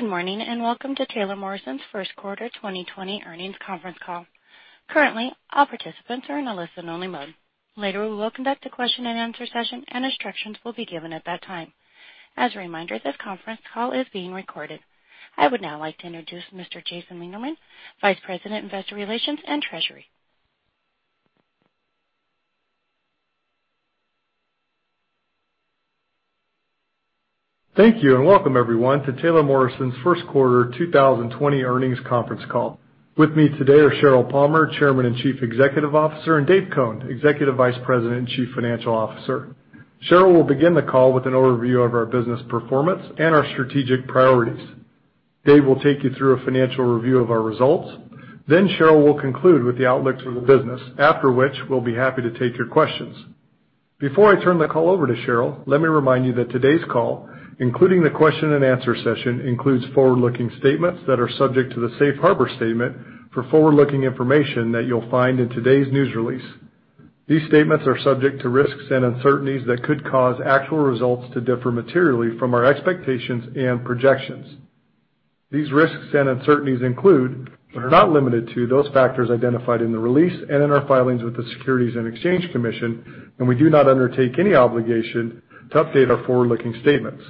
Good morning and welcome to Taylor Morrison's first quarter 2020 earnings conference call. Currently, all participants are in a listen-only mode. Later, we will conduct a question-and-answer session, and instructions will be given at that time. As a reminder, this conference call is being recorded. I would now like to introduce Mr. Jason Lieberman, Vice President, Investor Relations and Treasury. Thank you and welcome everyone to Taylor Morrison's first quarter 2020 earnings conference call. With me today are Sheryl Palmer, Chairman and Chief Executive Officer, and Dave Cone, Executive Vice President and Chief Financial Officer. Sheryl will begin the call with an overview of our business performance and our strategic priorities. Dave will take you through a financial review of our results. Then Sheryl will conclude with the outlook for the business, after which we'll be happy to take your questions. Before I turn the call over to Sheryl, let me remind you that today's call, including the question-and-answer session, includes forward-looking statements that are subject to the Safe Harbor Statement for forward-looking information that you'll find in today's news release. These statements are subject to risks and uncertainties that could cause actual results to differ materially from our expectations and projections. These risks and uncertainties include, but are not limited to, those factors identified in the release and in our filings with the Securities and Exchange Commission, and we do not undertake any obligation to update our forward-looking statements.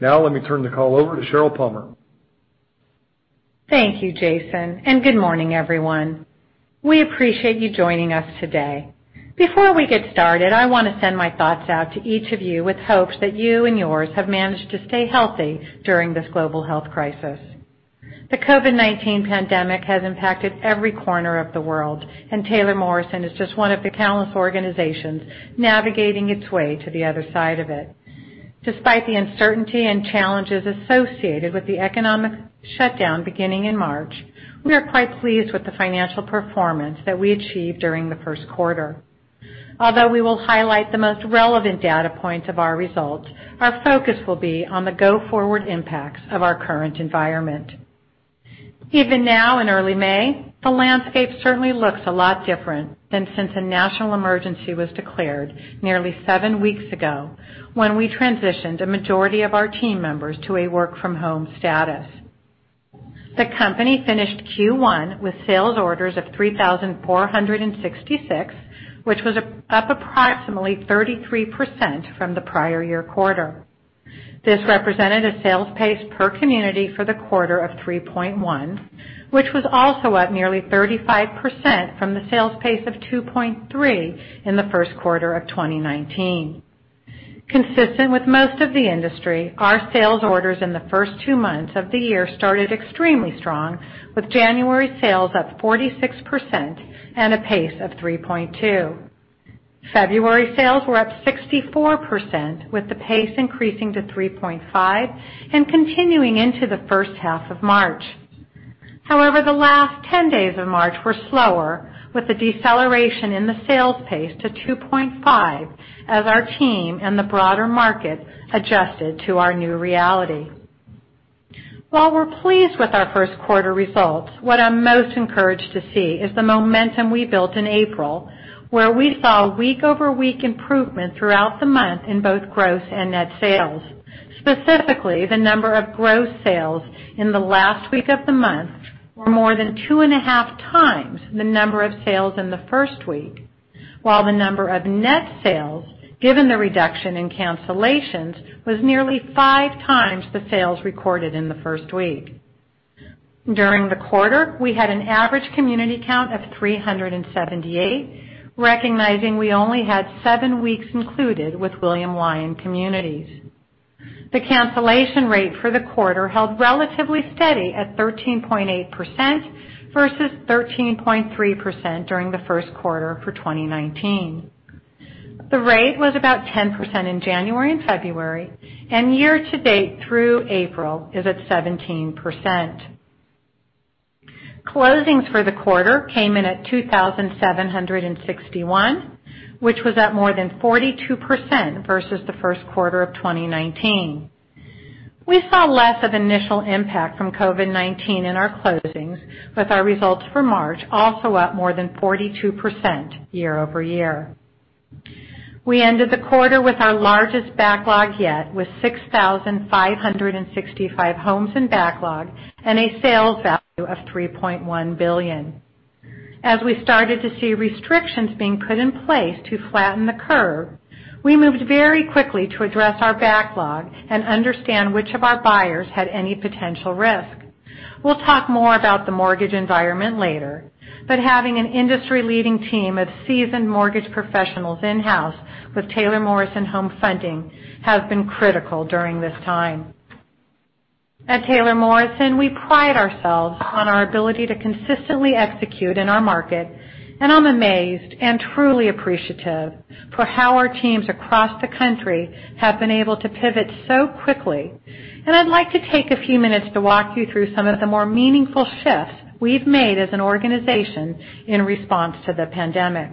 Now, let me turn the call over to Sheryl Palmer. Thank you, Jason, and good morning, everyone. We appreciate you joining us today. Before we get started, I want to send my thoughts out to each of you with hopes that you and yours have managed to stay healthy during this global health crisis. The COVID-19 pandemic has impacted every corner of the world, and Taylor Morrison is just one of the countless organizations navigating its way to the other side of it. Despite the uncertainty and challenges associated with the economic shutdown beginning in March, we are quite pleased with the financial performance that we achieved during the first quarter. Although we will highlight the most relevant data points of our results, our focus will be on the go-forward impacts of our current environment. Even now, in early May, the landscape certainly looks a lot different than since a national emergency was declared nearly seven weeks ago when we transitioned a majority of our team members to a work-from-home status. The company finished Q1 with sales orders of 3,466, which was up approximately 33% from the prior year quarter. This represented a sales pace per community for the quarter of 3.1, which was also up nearly 35% from the sales pace of 2.3 in the first quarter of 2019. Consistent with most of the industry, our sales orders in the first two months of the year started extremely strong, with January sales up 46% and a pace of 3.2. February sales were up 64%, with the pace increasing to 3.5 and continuing into the first half of March. However, the last 10 days of March were slower, with a deceleration in the sales pace to 2.5 as our team and the broader market adjusted to our new reality. While we're pleased with our first quarter results, what I'm most encouraged to see is the momentum we built in April, where we saw week-over-week improvement throughout the month in both gross and net sales. Specifically, the number of gross sales in the last week of the month were more than 2.5x the number of sales in the first week, while the number of net sales, given the reduction in cancellations, was nearly 5x the sales recorded in the first week. During the quarter, we had an average community count of 378, recognizing we only had seven weeks included with William Lyon communities. The cancellation rate for the quarter held relatively steady at 13.8% versus 13.3% during the first quarter for 2019. The rate was about 10% in January and February, and year-to-date through April is at 17%. Closings for the quarter came in at 2,761, which was up more than 42% versus the first quarter of 2019. We saw less of an initial impact from COVID-19 in our closings, with our results for March also up more than 42% year-over-year. We ended the quarter with our largest backlog yet, with 6,565 homes in backlog and a sales value of $3.1 billion. As we started to see restrictions being put in place to flatten the curve, we moved very quickly to address our backlog and understand which of our buyers had any potential risk. We'll talk more about the mortgage environment later, but having an industry-leading team of seasoned mortgage professionals in-house with Taylor Morrison Home Funding has been critical during this time. At Taylor Morrison, we pride ourselves on our ability to consistently execute in our market, and I'm amazed and truly appreciative for how our teams across the country have been able to pivot so quickly. I'd like to take a few minutes to walk you through some of the more meaningful shifts we've made as an organization in response to the pandemic.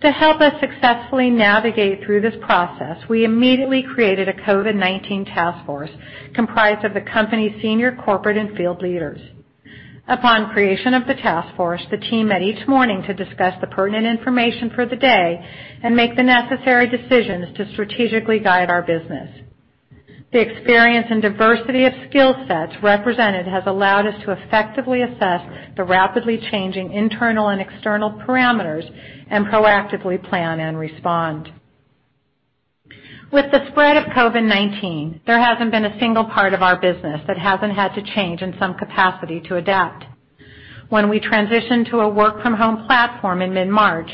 To help us successfully navigate through this process, we immediately created a COVID-19 task force comprised of the company's senior corporate and field leaders. Upon creation of the task force, the team met each morning to discuss the pertinent information for the day and make the necessary decisions to strategically guide our business. The experience and diversity of skill sets represented has allowed us to effectively assess the rapidly changing internal and external parameters and proactively plan and respond. With the spread of COVID-19, there hasn't been a single part of our business that hasn't had to change in some capacity to adapt. When we transitioned to a work-from-home platform in mid-March,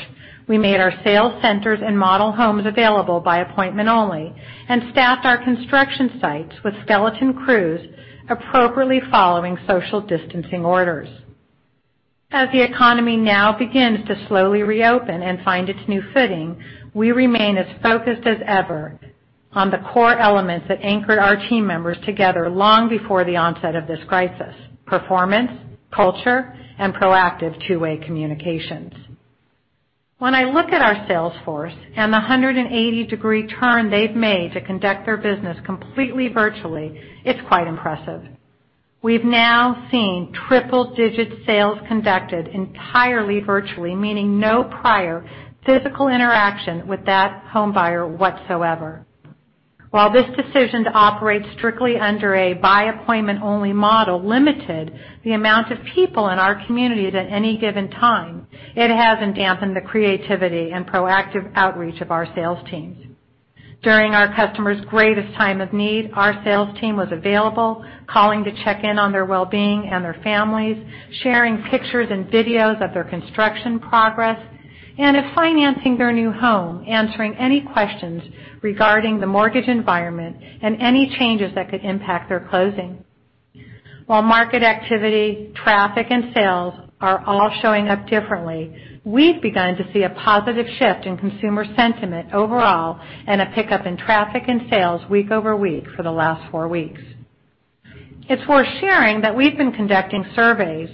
we made our sales centers and model homes available by appointment only and staffed our construction sites with skeleton crews appropriately following social distancing orders. As the economy now begins to slowly reopen and find its new footing, we remain as focused as ever on the core elements that anchored our team members together long before the onset of this crisis: performance, culture, and proactive two-way communications. When I look at our sales force and the 180-degree turn they've made to conduct their business completely virtually, it's quite impressive. We've now seen triple-digit sales conducted entirely virtually, meaning no prior physical interaction with that homebuyer whatsoever. While this decision to operate strictly under a by-appointment-only model limited the amount of people in our community at any given time, it hasn't dampened the creativity and proactive outreach of our sales teams. During our customers' greatest time of need, our sales team was available, calling to check in on their well-being and their families, sharing pictures and videos of their construction progress, and if financing their new home, answering any questions regarding the mortgage environment and any changes that could impact their closing. While market activity, traffic, and sales are all showing up differently, we've begun to see a positive shift in consumer sentiment overall and a pickup in traffic and sales week-over-week for the last four weeks. It's worth sharing that we've been conducting surveys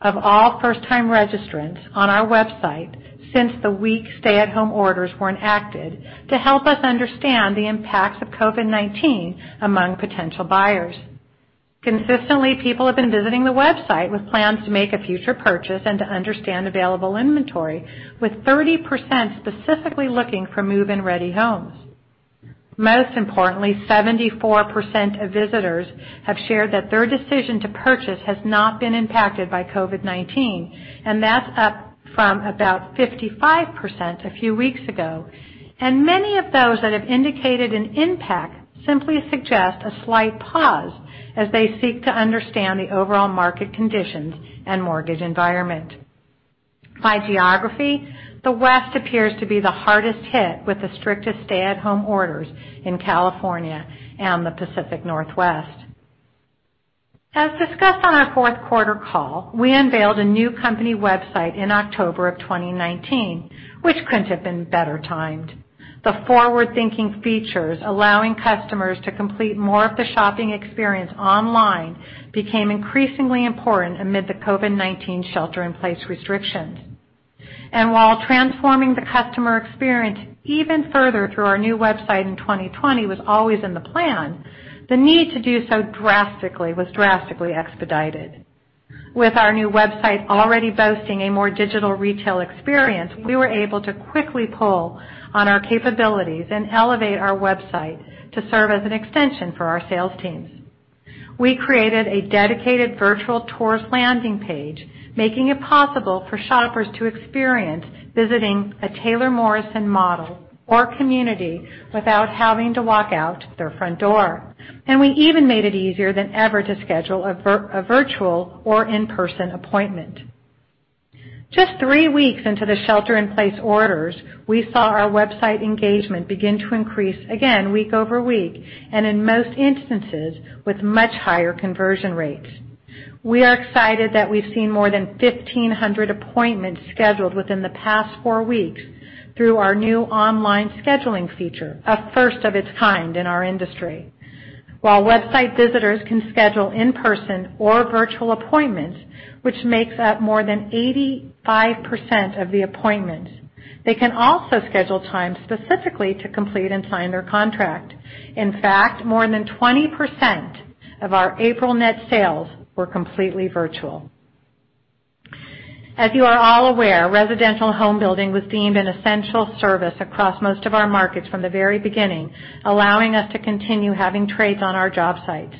of all first-time registrants on our website since the week stay-at-home orders were enacted to help us understand the impacts of COVID-19 among potential buyers. Consistently, people have been visiting the website with plans to make a future purchase and to understand available inventory, with 30% specifically looking for move-in ready homes. Most importantly, 74% of visitors have shared that their decision to purchase has not been impacted by COVID-19, and that's up from about 55% a few weeks ago. Many of those that have indicated an impact simply suggest a slight pause as they seek to understand the overall market conditions and mortgage environment. By geography, the West appears to be the hardest hit with the strictest stay-at-home orders in California and the Pacific Northwest. As discussed on our fourth quarter call, we unveiled a new company website in October of 2019, which couldn't have been better timed. The forward-thinking features allowing customers to complete more of the shopping experience online became increasingly important amid the COVID-19 shelter-in-place restrictions. While transforming the customer experience even further through our new website in 2020 was always in the plan, the need to do so was drastically expedited. With our new website already boasting a more digital retail experience, we were able to quickly pull on our capabilities and elevate our website to serve as an extension for our sales teams. We created a dedicated virtual tourist landing page, making it possible for shoppers to experience visiting a Taylor Morrison model or community without having to walk out their front door. We even made it easier than ever to schedule a virtual or in-person appointment. Just three weeks into the shelter-in-place orders, we saw our website engagement begin to increase again week-over-week and in most instances with much higher conversion rates. We are excited that we've seen more than 1,500 appointments scheduled within the past four weeks through our new online scheduling feature, a first of its kind in our industry. While website visitors can schedule in-person or virtual appointments, which makes up more than 85% of the appointments, they can also schedule time specifically to complete and sign their contract. In fact, more than 20% of our April net sales were completely virtual. As you are all aware, residential home building was deemed an essential service across most of our markets from the very beginning, allowing us to continue having trades on our job sites.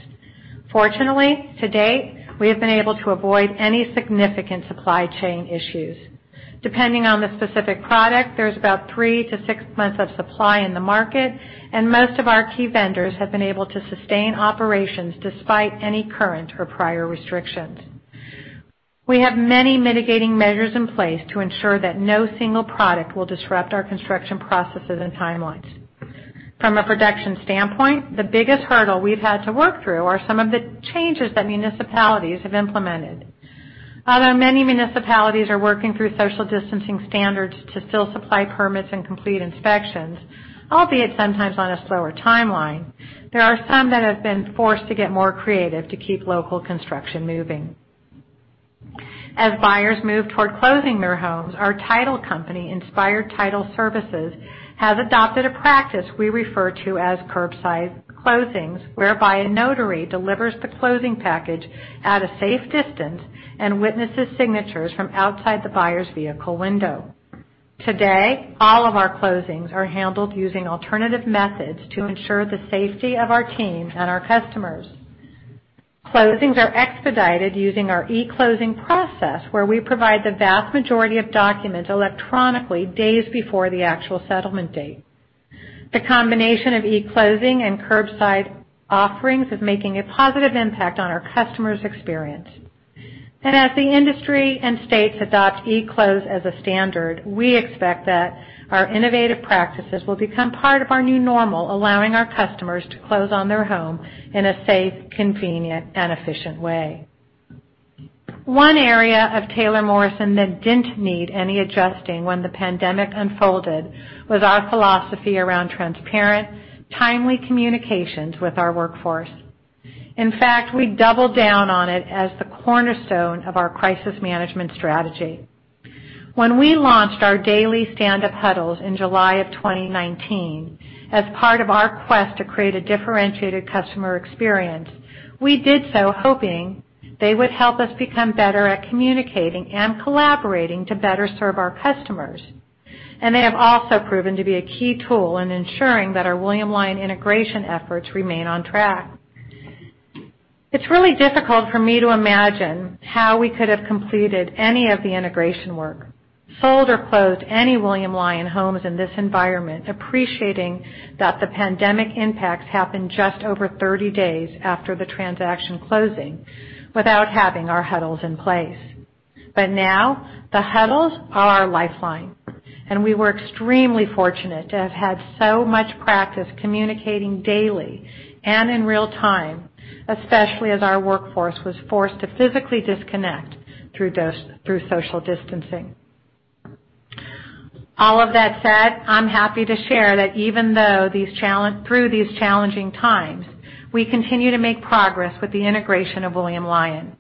Fortunately, to date, we have been able to avoid any significant supply chain issues. Depending on the specific product, there's about three to six months of supply in the market, and most of our key vendors have been able to sustain operations despite any current or prior restrictions. We have many mitigating measures in place to ensure that no single product will disrupt our construction processes and timelines. From a production standpoint, the biggest hurdle we've had to work through are some of the changes that municipalities have implemented. Although many municipalities are working through social distancing standards to still supply permits and complete inspections, albeit sometimes on a slower timeline, there are some that have been forced to get more creative to keep local construction moving. As buyers move toward closing their homes, our title company, Inspired Title Services, has adopted a practice we refer to as curbside closings, whereby a notary delivers the closing package at a safe distance and witnesses signatures from outside the buyer's vehicle window. Today, all of our closings are handled using alternative methods to ensure the safety of our team and our customers. Closings are expedited using our e-closing process, where we provide the vast majority of documents electronically days before the actual settlement date. The combination of e-closing and curbside offerings is making a positive impact on our customers' experience. As the industry and states adopt e-closing as a standard, we expect that our innovative practices will become part of our new normal, allowing our customers to close on their home in a safe, convenient, and efficient way. One area of Taylor Morrison that didn't need any adjusting when the pandemic unfolded was our philosophy around transparent, timely communications with our workforce. In fact, we doubled down on it as the cornerstone of our crisis management strategy. When we launched our daily stand-up huddles in July of 2019 as part of our quest to create a differentiated customer experience, we did so hoping they would help us become better at communicating and collaborating to better serve our customers. They have also proven to be a key tool in ensuring that our William Lyon integration efforts remain on track. It's really difficult for me to imagine how we could have completed any of the integration work, sold or closed any William Lyon homes in this environment, appreciating that the pandemic impacts happened just over 30 days after the transaction closing without having our huddles in place. But now, the huddles are our lifeline, and we were extremely fortunate to have had so much practice communicating daily and in real time, especially as our workforce was forced to physically disconnect through social distancing. All of that said, I'm happy to share that even though, through these challenging times, we continue to make progress with the integration of William Lyon.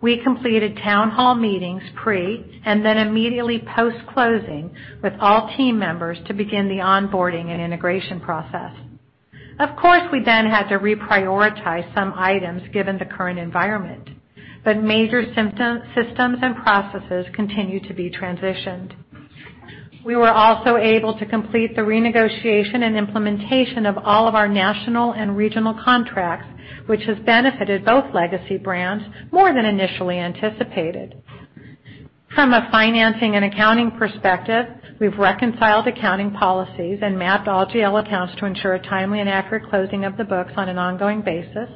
We completed town hall meetings pre- and then immediately post-closing with all team members to begin the onboarding and integration process. Of course, we then had to reprioritize some items given the current environment, but major systems and processes continue to be transitioned. We were also able to complete the renegotiation and implementation of all of our national and regional contracts, which has benefited both legacy brands more than initially anticipated. From a financing and accounting perspective, we've reconciled accounting policies and mapped all GL accounts to ensure a timely and accurate closing of the books on an ongoing basis.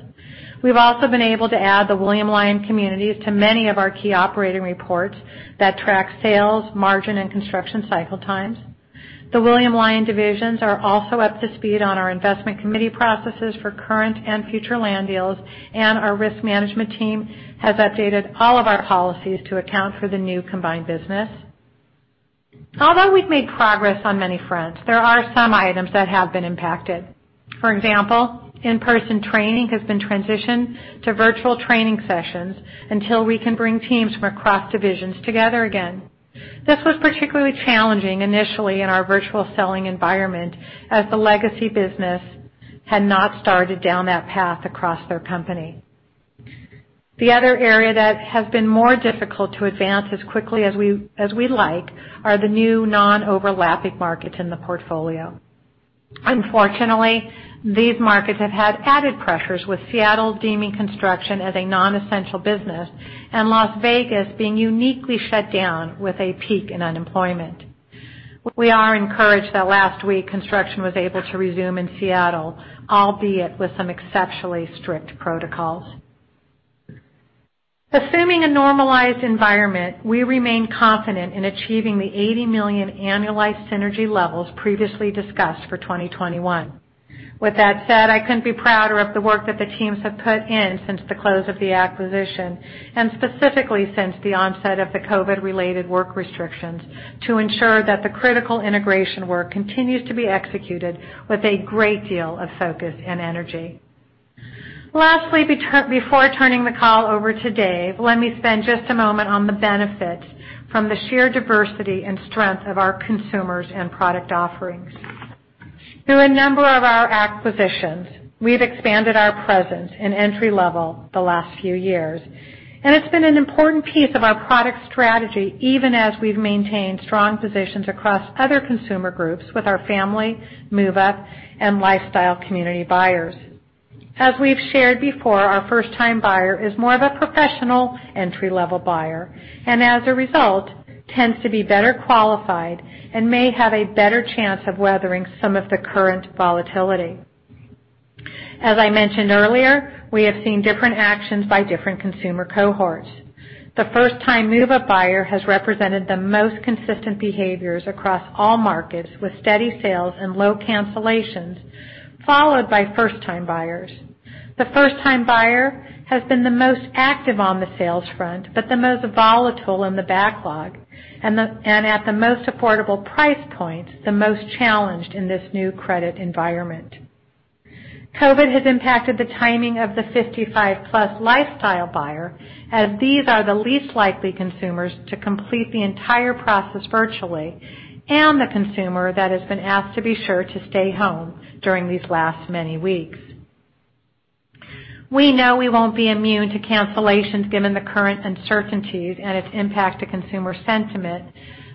We've also been able to add the William Lyon communities to many of our key operating reports that track sales, margin, and construction cycle times. The William Lyon divisions are also up to speed on our investment committee processes for current and future land deals, and our risk management team has updated all of our policies to account for the new combined business. Although we've made progress on many fronts, there are some items that have been impacted. For example, in-person training has been transitioned to virtual training sessions until we can bring teams from across divisions together again. This was particularly challenging initially in our virtual selling environment as the legacy business had not started down that path across their company. The other area that has been more difficult to advance as quickly as we'd like are the new non-overlapping markets in the portfolio. Unfortunately, these markets have had added pressures, with Seattle deeming construction as a non-essential business and Las Vegas being uniquely shut down with a peak in unemployment. We are encouraged that last week construction was able to resume in Seattle, albeit with some exceptionally strict protocols. Assuming a normalized environment, we remain confident in achieving the $80 million annualized synergy levels previously discussed for 2021. With that said, I couldn't be prouder of the work that the teams have put in since the close of the acquisition and specifically since the onset of the COVID-related work restrictions to ensure that the critical integration work continues to be executed with a great deal of focus and energy. Lastly, before turning the call over to Dave, let me spend just a moment on the benefits from the sheer diversity and strength of our consumers and product offerings. Through a number of our acquisitions, we've expanded our presence in entry level the last few years, and it's been an important piece of our product strategy even as we've maintained strong positions across other consumer groups with our family, move-up, and lifestyle community buyers. As we've shared before, our first-time buyer is more of a professional entry-level buyer and, as a result, tends to be better qualified and may have a better chance of weathering some of the current volatility. As I mentioned earlier, we have seen different actions by different consumer cohorts. The first-time move-up buyer has represented the most consistent behaviors across all markets with steady sales and low cancellations followed by first-time buyers. The first-time buyer has been the most active on the sales front but the most volatile in the backlog and at the most affordable price points, the most challenged in this new credit environment. COVID has impacted the timing of the 55-plus lifestyle buyer as these are the least likely consumers to complete the entire process virtually and the consumer that has been asked to be sure to stay home during these last many weeks. We know we won't be immune to cancellations given the current uncertainties and its impact to consumer sentiment,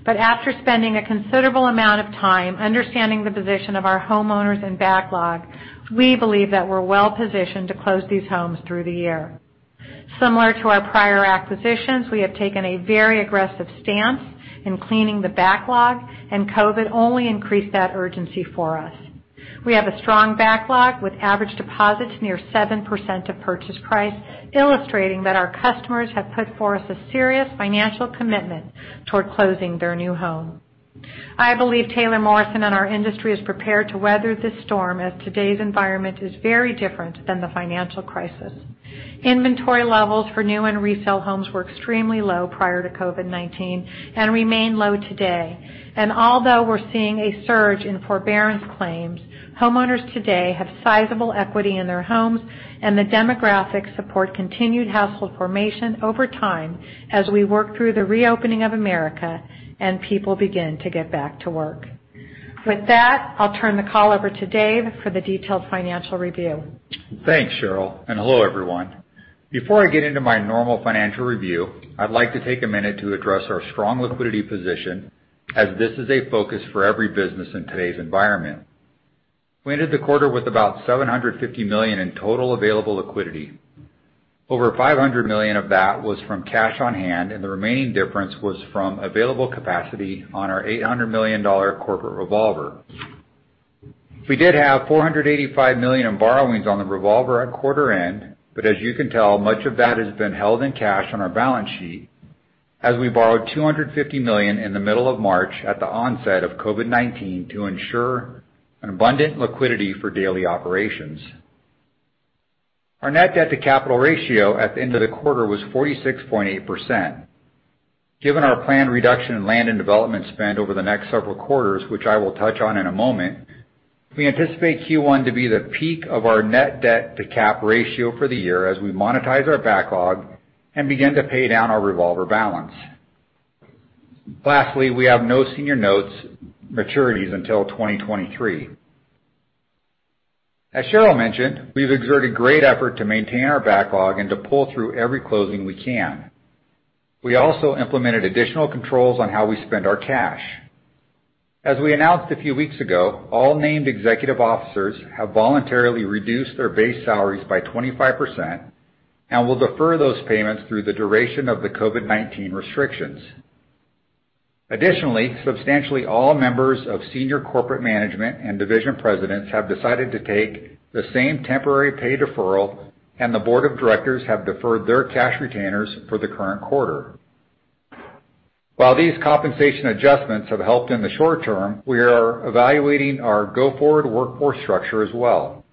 but after spending a considerable amount of time understanding the position of our homeowners and backlog, we believe that we're well-positioned to close these homes through the year. Similar to our prior acquisitions, we have taken a very aggressive stance in cleaning the backlog, and COVID only increased that urgency for us. We have a strong backlog with average deposits near 7% of purchase price, illustrating that our customers have put forth a serious financial commitment toward closing their new home. I believe Taylor Morrison and our industry are prepared to weather this storm as today's environment is very different than the financial crisis. Inventory levels for new and resale homes were extremely low prior to COVID-19 and remain low today. Although we're seeing a surge in forbearance claims, homeowners today have sizable equity in their homes, and the demographics support continued household formation over time as we work through the reopening of America and people begin to get back to work. With that, I'll turn the call over to Dave for the detailed financial review. Thanks, Sheryl. And hello, everyone. Before I get into my normal financial review, I'd like to take a minute to address our strong liquidity position as this is a focus for every business in today's environment. We ended the quarter with about $750 million in total available liquidity. Over $500 million of that was from cash on hand, and the remaining difference was from available capacity on our $800 million corporate revolver. We did have $485 million in borrowings on the revolver at quarter end, but as you can tell, much of that has been held in cash on our balance sheet as we borrowed $250 million in the middle of March at the onset of COVID-19 to ensure an abundant liquidity for daily operations. Our net debt-to-capital ratio at the end of the quarter was 46.8%. Given our planned reduction in land and development spend over the next several quarters, which I will touch on in a moment, we anticipate Q1 to be the peak of our net debt-to-capital ratio for the year as we monetize our backlog and begin to pay down our revolver balance. Lastly, we have no senior notes maturities until 2023. As Sheryl mentioned, we've exerted great effort to maintain our backlog and to pull through every closing we can. We also implemented additional controls on how we spend our cash. As we announced a few weeks ago, all named executive officers have voluntarily reduced their base salaries by 25% and will defer those payments through the duration of the COVID-19 restrictions. Additionally, substantially all members of senior corporate management and division presidents have decided to take the same temporary pay deferral, and the board of directors have deferred their cash retainers for the current quarter. While these compensation adjustments have helped in the short term, we are evaluating our go-forward workforce structure as well.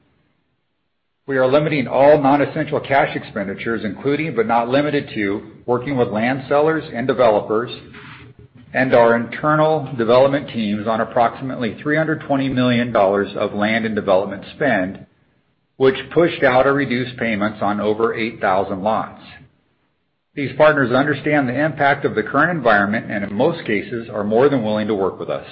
We are limiting all non-essential cash expenditures, including but not limited to working with land sellers and developers and our internal development teams on approximately $320 million of land and development spend, which pushed out or reduced payments on over 8,000 lots. These partners understand the impact of the current environment and, in most cases, are more than willing to work with us.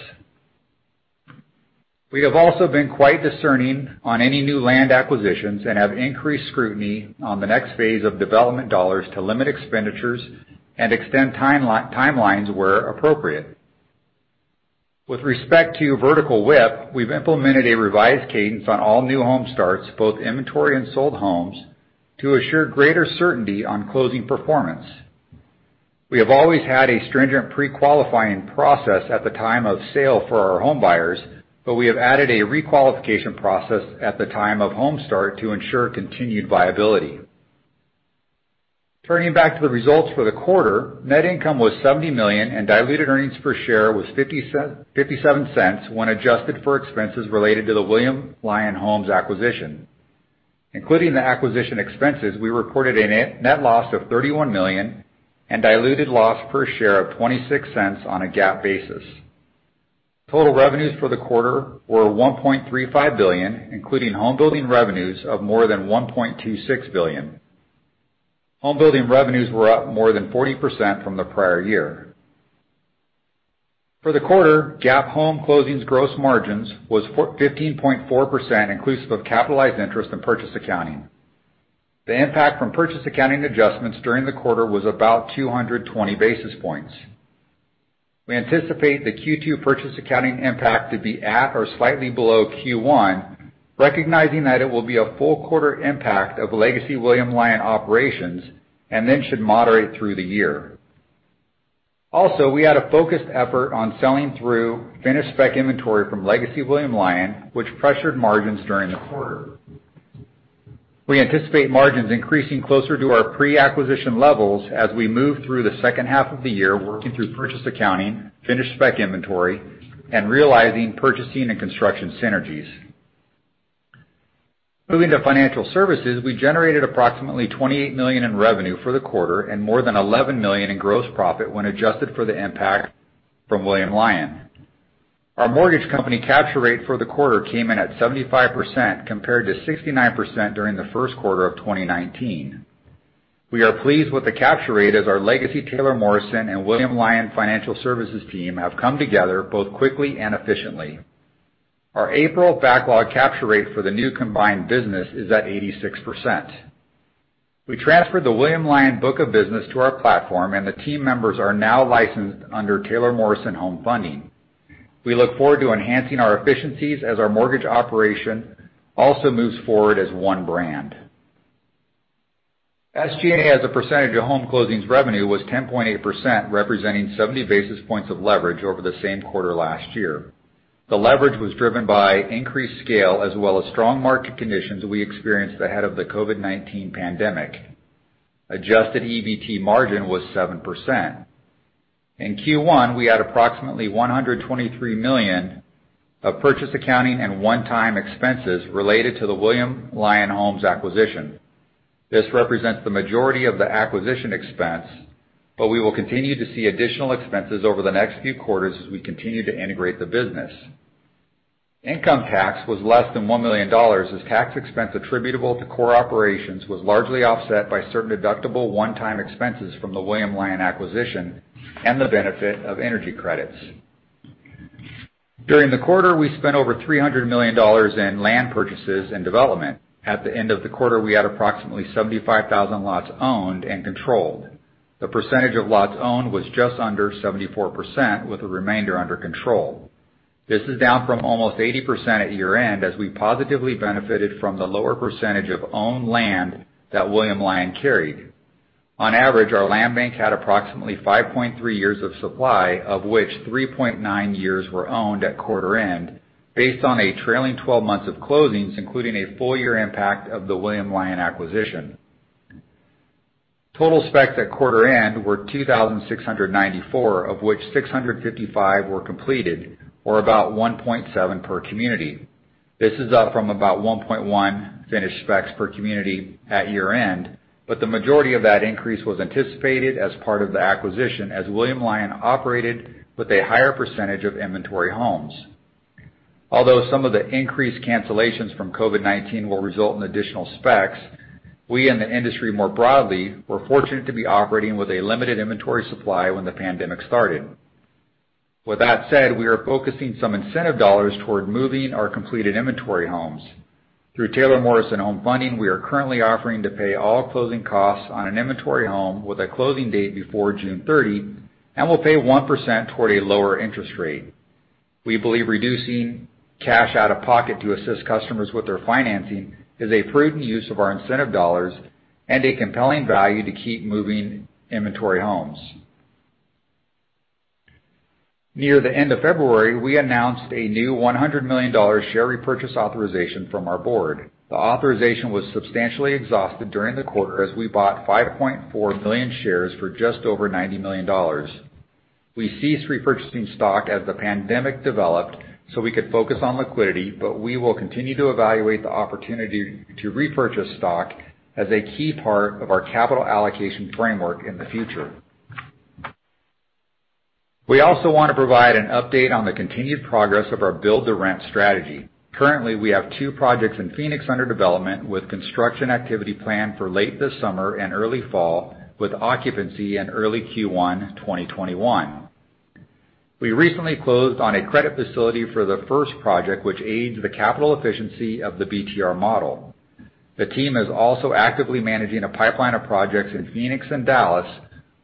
We have also been quite discerning on any new land acquisitions and have increased scrutiny on the next phase of development dollars to limit expenditures and extend timelines where appropriate. With respect to vertical WIP, we've implemented a revised cadence on all new home starts, both inventory and sold homes, to assure greater certainty on closing performance. We have always had a stringent pre-qualifying process at the time of sale for our home buyers, but we have added a requalification process at the time of home start to ensure continued viability. Turning back to the results for the quarter, net income was $70 million, and diluted earnings per share was $0.57 when adjusted for expenses related to the William Lyon Homes acquisition. Including the acquisition expenses, we reported a net loss of $31 million and diluted loss per share of $0.26 on a GAAP basis. Total revenues for the quarter were $1.35 billion, including home building revenues of more than $1.26 billion. Home building revenues were up more than 40% from the prior year. For the quarter, GAAP home closings gross margins was 15.4% inclusive of capitalized interest and purchase accounting. The impact from purchase accounting adjustments during the quarter was about 220 basis points. We anticipate the Q2 purchase accounting impact to be at or slightly below Q1, recognizing that it will be a full quarter impact of legacy William Lyon operations and then should moderate through the year. Also, we had a focused effort on selling through finished spec inventory from legacy William Lyon, which pressured margins during the quarter. We anticipate margins increasing closer to our pre-acquisition levels as we move through the second half of the year working through purchase accounting, finished spec inventory, and realizing purchasing and construction synergies. Moving to financial services, we generated approximately $28 million in revenue for the quarter and more than $11 million in gross profit when adjusted for the impact from William Lyon. Our mortgage company capture rate for the quarter came in at 75% compared to 69% during the first quarter of 2019. We are pleased with the capture rate as our legacy Taylor Morrison and William Lyon financial services team have come together both quickly and efficiently. Our April backlog capture rate for the new combined business is at 86%. We transferred the William Lyon book of business to our platform, and the team members are now licensed under Taylor Morrison Home Funding. We look forward to enhancing our efficiencies as our mortgage operation also moves forward as one brand. SG&A as a percentage of home closings revenue was 10.8%, representing 70 basis points of leverage over the same quarter last year. The leverage was driven by increased scale as well as strong market conditions we experienced ahead of the COVID-19 pandemic. Adjusted EBT margin was 7%. In Q1, we had approximately $123 million of purchase accounting and one-time expenses related to the William Lyon Homes acquisition. This represents the majority of the acquisition expense, but we will continue to see additional expenses over the next few quarters as we continue to integrate the business. Income tax was less than $1 million as tax expense attributable to core operations was largely offset by certain deductible one-time expenses from the William Lyon Homes acquisition and the benefit of energy credits. During the quarter, we spent over $300 million in land purchases and development. At the end of the quarter, we had approximately 75,000 lots owned and controlled. The percentage of lots owned was just under 74%, with the remainder under control. This is down from almost 80% at year-end as we positively benefited from the lower percentage of owned land that William Lyon carried. On average, our land bank had approximately 5.3 years of supply, of which 3.9 years were owned at quarter end based on a trailing 12 months of closings, including a full-year impact of the William Lyon acquisition. Total specs at quarter end were 2,694, of which 655 were completed, or about 1.7 per community. This is up from about 1.1 finished specs per community at year-end, but the majority of that increase was anticipated as part of the acquisition as William Lyon operated with a higher percentage of inventory homes. Although some of the increased cancellations from COVID-19 will result in additional specs, we and the industry more broadly were fortunate to be operating with a limited inventory supply when the pandemic started. With that said, we are focusing some incentive dollars toward moving our completed inventory homes. Through Taylor Morrison Home Funding, we are currently offering to pay all closing costs on an inventory home with a closing date before June 30 and will pay 1% toward a lower interest rate. We believe reducing cash out of pocket to assist customers with their financing is a prudent use of our incentive dollars and a compelling value to keep moving inventory homes. Near the end of February, we announced a new $100 million share repurchase authorization from our board. The authorization was substantially exhausted during the quarter as we bought 5.4 million shares for just over $90 million. We ceased repurchasing stock as the pandemic developed so we could focus on liquidity, but we will continue to evaluate the opportunity to repurchase stock as a key part of our capital allocation framework in the future. We also want to provide an update on the continued progress of our build-to-rent strategy. Currently, we have two projects in Phoenix under development with construction activity planned for late this summer and early fall with occupancy in early Q1 2021. We recently closed on a credit facility for the first project, which aids the capital efficiency of the BTR model. The team is also actively managing a pipeline of projects in Phoenix and Dallas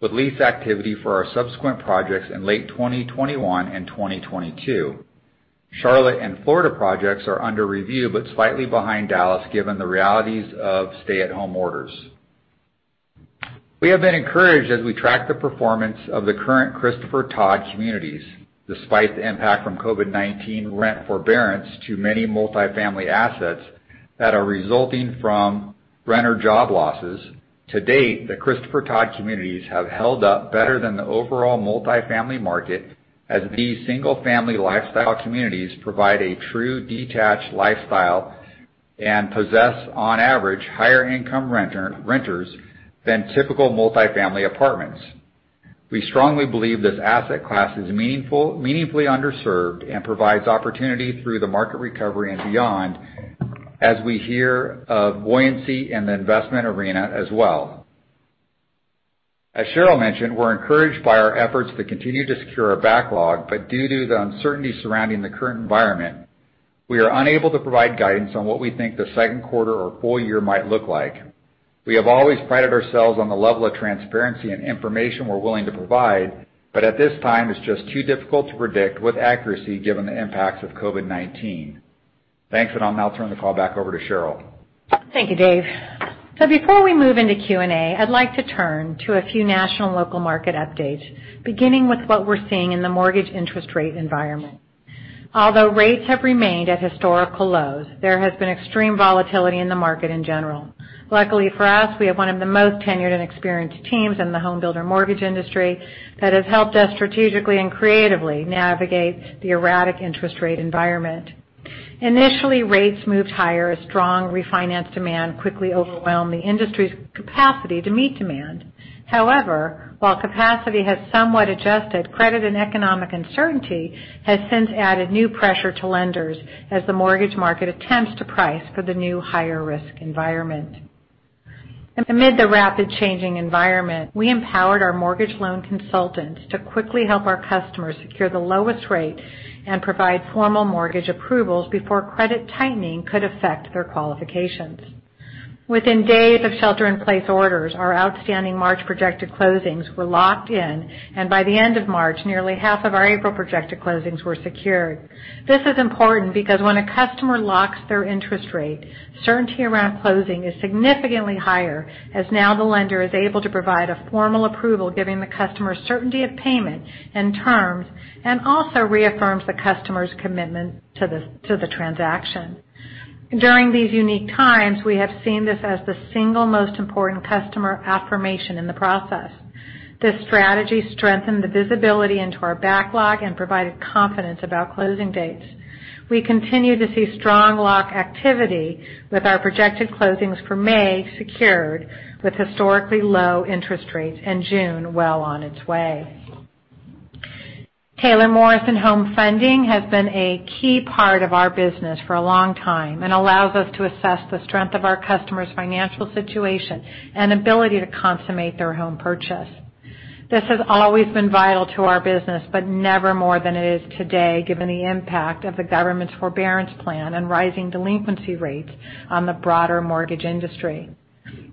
with lease activity for our subsequent projects in late 2021 and 2022. Charlotte and Florida projects are under review but slightly behind Dallas given the realities of stay-at-home orders. We have been encouraged as we track the performance of the current Christopher Todd Communities. Despite the impact from COVID-19 rent forbearance to many multifamily assets that are resulting from renter job losses, to date, the Christopher Todd Communities have held up better than the overall multifamily market as these single-family lifestyle communities provide a true detached lifestyle and possess, on average, higher-income renters than typical multifamily apartments. We strongly believe this asset class is meaningfully underserved and provides opportunity through the market recovery and beyond as we hear of buoyancy in the investment arena as well. As Sheryl mentioned, we're encouraged by our efforts to continue to secure our backlog, but due to the uncertainty surrounding the current environment, we are unable to provide guidance on what we think the second quarter or full year might look like. We have always prided ourselves on the level of transparency and information we're willing to provide, but at this time, it's just too difficult to predict with accuracy given the impacts of COVID-19. Thanks, and I'll now turn the call back over to Sheryl. Thank you, Dave. So before we move into Q&A, I'd like to turn to a few national and local market updates, beginning with what we're seeing in the mortgage interest rate environment. Although rates have remained at historical lows, there has been extreme volatility in the market in general. Luckily for us, we have one of the most tenured and experienced teams in the home builder mortgage industry that has helped us strategically and creatively navigate the erratic interest rate environment. Initially, rates moved higher as strong refinance demand quickly overwhelmed the industry's capacity to meet demand. However, while capacity has somewhat adjusted, credit and economic uncertainty has since added new pressure to lenders as the mortgage market attempts to price for the new higher-risk environment. Amid the rapidly changing environment, we empowered our mortgage loan consultants to quickly help our customers secure the lowest rate and provide formal mortgage approvals before credit tightening could affect their qualifications. Within days of shelter-in-place orders, our outstanding March projected closings were locked in, and by the end of March, nearly half of our April projected closings were secured. This is important because when a customer locks their interest rate, certainty around closing is significantly higher as now the lender is able to provide a formal approval, giving the customer certainty of payment and terms, and also reaffirms the customer's commitment to the transaction. During these unique times, we have seen this as the single most important customer affirmation in the process. This strategy strengthened the visibility into our backlog and provided confidence about closing dates. We continue to see strong lock activity with our projected closings for May secured with historically low interest rates and June well on its way. Taylor Morrison Home Funding has been a key part of our business for a long time and allows us to assess the strength of our customers' financial situation and ability to consummate their home purchase. This has always been vital to our business, but never more than it is today given the impact of the government's forbearance plan and rising delinquency rates on the broader mortgage industry.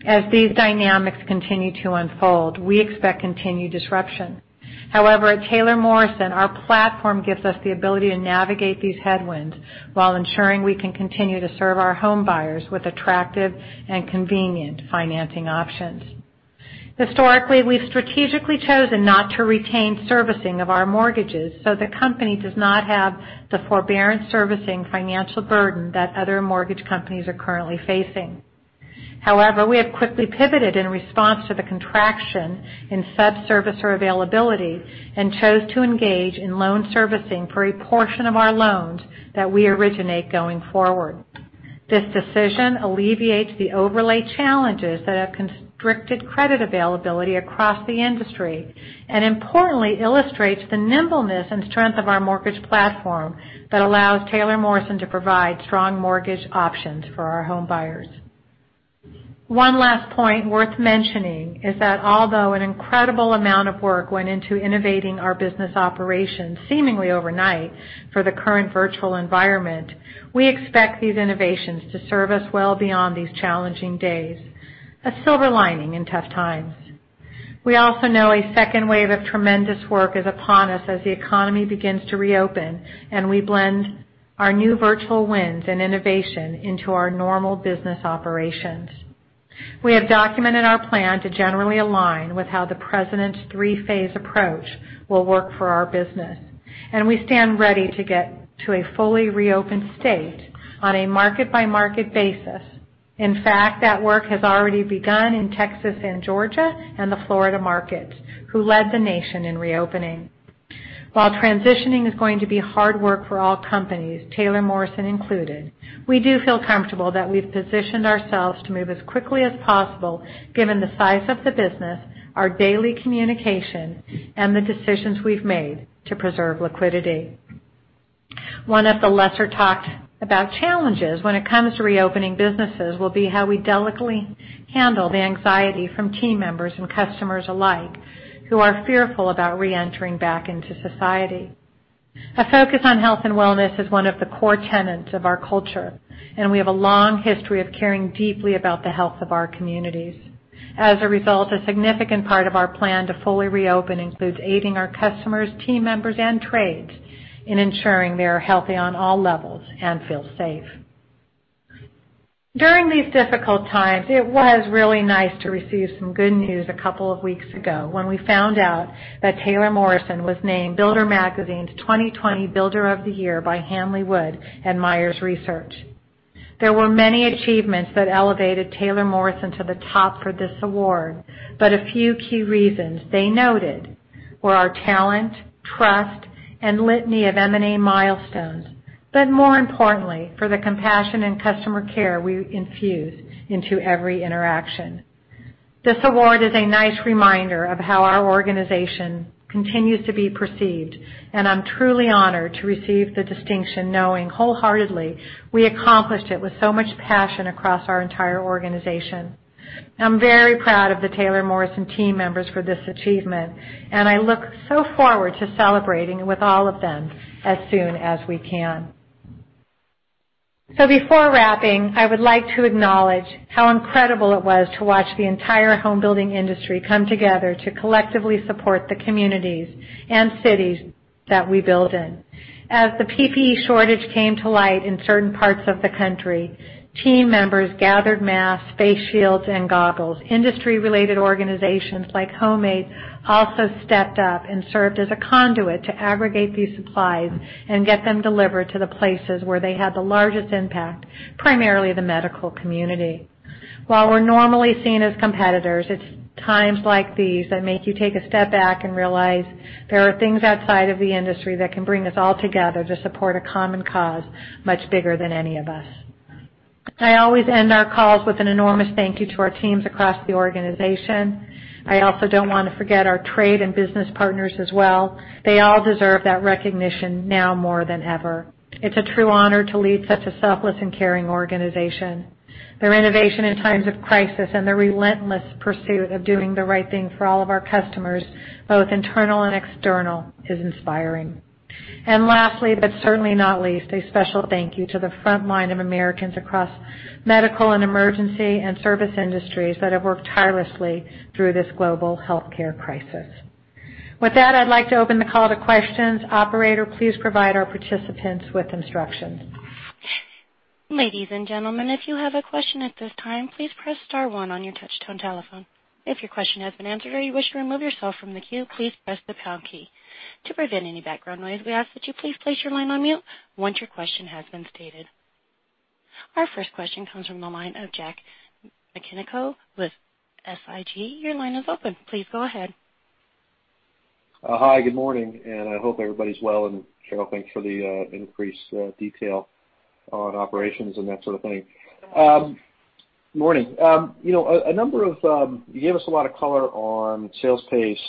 As these dynamics continue to unfold, we expect continued disruption. However, at Taylor Morrison, our platform gives us the ability to navigate these headwinds while ensuring we can continue to serve our home buyers with attractive and convenient financing options. Historically, we've strategically chosen not to retain servicing of our mortgages so the company does not have the forbearance servicing financial burden that other mortgage companies are currently facing. However, we have quickly pivoted in response to the contraction in sub-servicer availability and chose to engage in loan servicing for a portion of our loans that we originate going forward. This decision alleviates the overlay challenges that have constricted credit availability across the industry and, importantly, illustrates the nimbleness and strength of our mortgage platform that allows Taylor Morrison to provide strong mortgage options for our home buyers. One last point worth mentioning is that although an incredible amount of work went into innovating our business operations seemingly overnight for the current virtual environment, we expect these innovations to serve us well beyond these challenging days, a silver lining in tough times. We also know a second wave of tremendous work is upon us as the economy begins to reopen and we blend our new virtual wins and innovation into our normal business operations. We have documented our plan to generally align with how the president's three-phase approach will work for our business, and we stand ready to get to a fully reopened state on a market-by-market basis. In fact, that work has already begun in Texas and Georgia and the Florida markets, who led the nation in reopening. While transitioning is going to be hard work for all companies, Taylor Morrison included, we do feel comfortable that we've positioned ourselves to move as quickly as possible given the size of the business, our daily communication, and the decisions we've made to preserve liquidity. One of the lesser talked about challenges when it comes to reopening businesses will be how we delicately handle the anxiety from team members and customers alike who are fearful about reentering back into society. A focus on health and wellness is one of the core tenets of our culture, and we have a long history of caring deeply about the health of our communities. As a result, a significant part of our plan to fully reopen includes aiding our customers, team members, and trades in ensuring they are healthy on all levels and feel safe. During these difficult times, it was really nice to receive some good news a couple of weeks ago when we found out that Taylor Morrison was named Builder Magazine's 2020 Builder of the Year by Hanley Wood and Meyers Research. There were many achievements that elevated Taylor Morrison to the top for this award, but a few key reasons they noted were our talent, trust, and litany of M&A milestones, but more importantly, for the compassion and customer care we infuse into every interaction. This award is a nice reminder of how our organization continues to be perceived, and I'm truly honored to receive the distinction knowing wholeheartedly we accomplished it with so much passion across our entire organization. I'm very proud of the Taylor Morrison team members for this achievement, and I look so forward to celebrating with all of them as soon as we can. So before wrapping, I would like to acknowledge how incredible it was to watch the entire home building industry come together to collectively support the communities and cities that we build in. As the PPE shortage came to light in certain parts of the country, team members gathered masks, face shields, and goggles. Industry-related organizations like HomeAid also stepped up and served as a conduit to aggregate these supplies and get them delivered to the places where they had the largest impact, primarily the medical community. While we're normally seen as competitors, it's times like these that make you take a step back and realize there are things outside of the industry that can bring us all together to support a common cause much bigger than any of us. I always end our calls with an enormous thank you to our teams across the organization. I also don't want to forget our trade and business partners as well. They all deserve that recognition now more than ever. It's a true honor to lead such a selfless and caring organization. Their innovation in times of crisis and their relentless pursuit of doing the right thing for all of our customers, both internal and external, is inspiring. And lastly, but certainly not least, a special thank you to the front line of Americans across medical and emergency and service industries that have worked tirelessly through this global healthcare crisis. With that, I'd like to open the call to questions. Operator, please provide our participants with instructions. Ladies and gentlemen, if you have a question at this time, please press star one on your touch-tone telephone. If your question has been answered or you wish to remove yourself from the queue, please press the pound key. To prevent any background noise, we ask that you please place your line on mute once your question has been stated. Our first question comes from the line of Jack Micenko with SIG. Your line is open. Please go ahead. Hi, good morning, and I hope everybody's well, and Sheryl, thanks for the increased detail on operations and that sort of thing. Good morning. A number of you gave us a lot of color on sales pace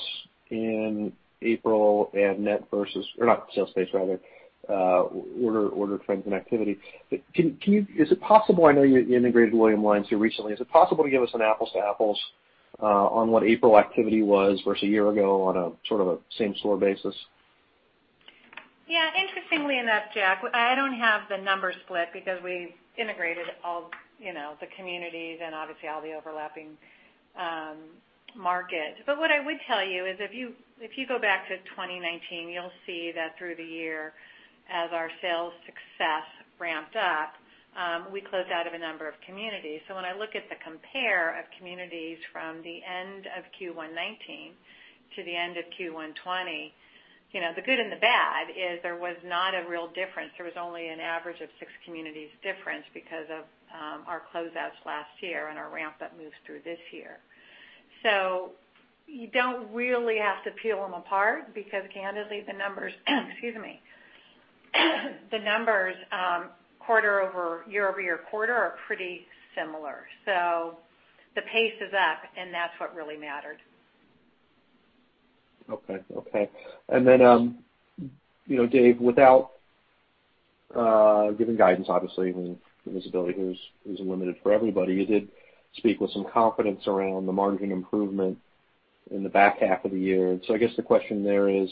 in April and net versus gross sales pace, rather, order trends and activity. Is it possible, I know you integrated William Lyon here recently, is it possible to give us an apples-to-apples on what April activity was versus a year ago on a sort of a same-store basis? Yeah. Interestingly enough, Jack, I don't have the number split because we've integrated all the communities and obviously all the overlapping markets. But what I would tell you is if you go back to 2019, you'll see that through the year, as our sales success ramped up, we closed out of a number of communities. So when I look at the compare of communities from the end of Q1 2019 to the end of Q1 2020, the good and the bad is there was not a real difference. There was only an average of six communities difference because of our closeouts last year and our ramp-up moves through this year. So you don't really have to peel them apart because candidly, the numbers, excuse me, the numbers year-over-year quarter are pretty similar. So the pace is up, and that's what really mattered. Okay. Okay. And then, Dave, without giving guidance, obviously, when visibility is limited for everybody, you did speak with some confidence around the margin improvement in the back half of the year. So I guess the question there is,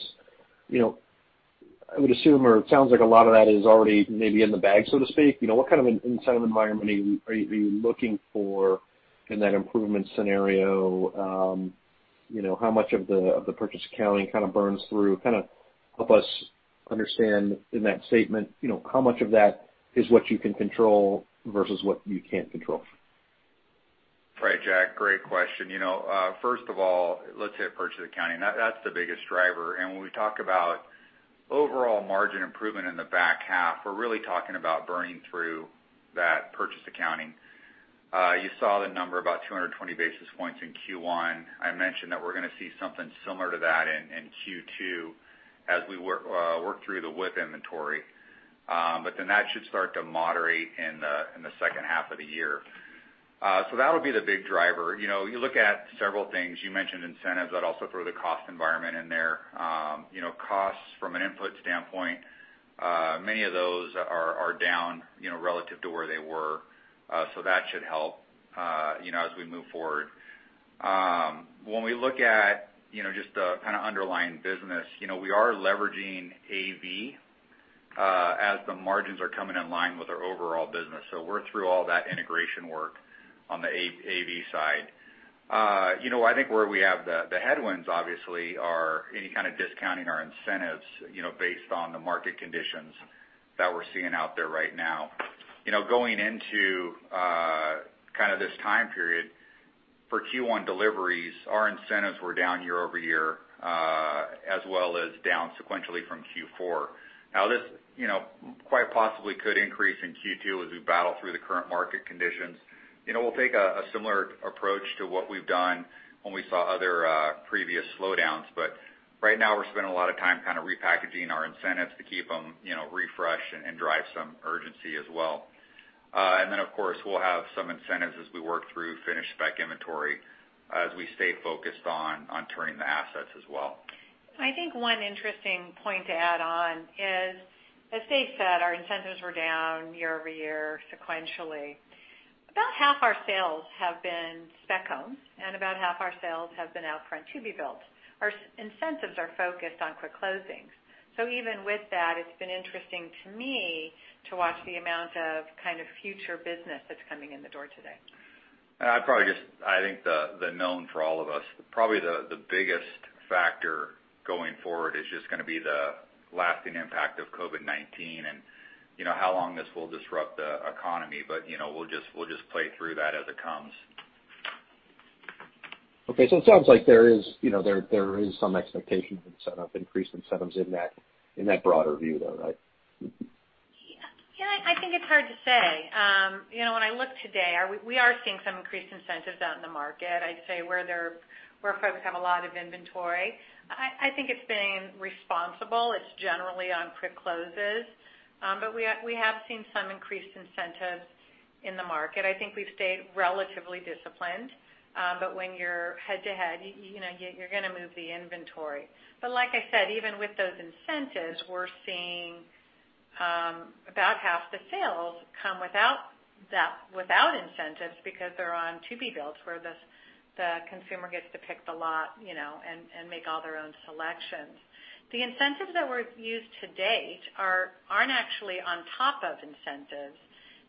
I would assume or it sounds like a lot of that is already maybe in the bag, so to speak. What kind of incentive environment are you looking for in that improvement scenario? How much of the purchase accounting kind of burns through? Kind of help us understand in that statement how much of that is what you can control versus what you can't control. Right, Jack. Great question. First of all, let's say purchase accounting. That's the biggest driver. And when we talk about overall margin improvement in the back half, we're really talking about burning through that purchase accounting. You saw the number, about 220 basis points in Q1. I mentioned that we're going to see something similar to that in Q2 as we work through the WIP inventory. But then that should start to moderate in the second half of the year. So that'll be the big driver. You look at several things. You mentioned incentives. I'd also throw the cost environment in there. Costs from an input standpoint, many of those are down relative to where they were. So that should help as we move forward. When we look at just the kind of underlying business, we are leveraging AV as the margins are coming in line with our overall business. So we're through all that integration work on the AV side. I think where we have the headwinds, obviously, are any kind of discounting our incentives based on the market conditions that we're seeing out there right now. Going into kind of this time period for Q1 deliveries, our incentives were down year-over-year as well as down sequentially from Q4. Now, this quite possibly could increase in Q2 as we battle through the current market conditions. We'll take a similar approach to what we've done when we saw other previous slowdowns. But right now, we're spending a lot of time kind of repackaging our incentives to keep them refreshed and drive some urgency as well. And then, of course, we'll have some incentives as we work through finished spec inventory as we stay focused on turning the assets as well. I think one interesting point to add on is, as Dave said, our incentives were down year-over-year sequentially. About half our sales have been spec-owned, and about half our sales have been upfront to be built. Our incentives are focused on quick closings. So even with that, it's been interesting to me to watch the amount of kind of future business that's coming in the door today. I think it's known to all of us, probably the biggest factor going forward is just going to be the lasting impact of COVID-19 and how long this will disrupt the economy, but we'll just play through that as it comes. Okay, so it sounds like there is some expectation of increased incentives in that broader view though, right? Yeah. I think it's hard to say. When I look today, we are seeing some increased incentives out in the market, I'd say, where folks have a lot of inventory. I think it's been responsible. It's generally on quick closes. But we have seen some increased incentives in the market. I think we've stayed relatively disciplined. But when you're head-to-head, you're going to move the inventory. But like I said, even with those incentives, we're seeing about half the sales come without incentives because they're on to-be-builts where the consumer gets to pick the lot and make all their own selections. The incentives that we're used to date aren't actually on top of incentives.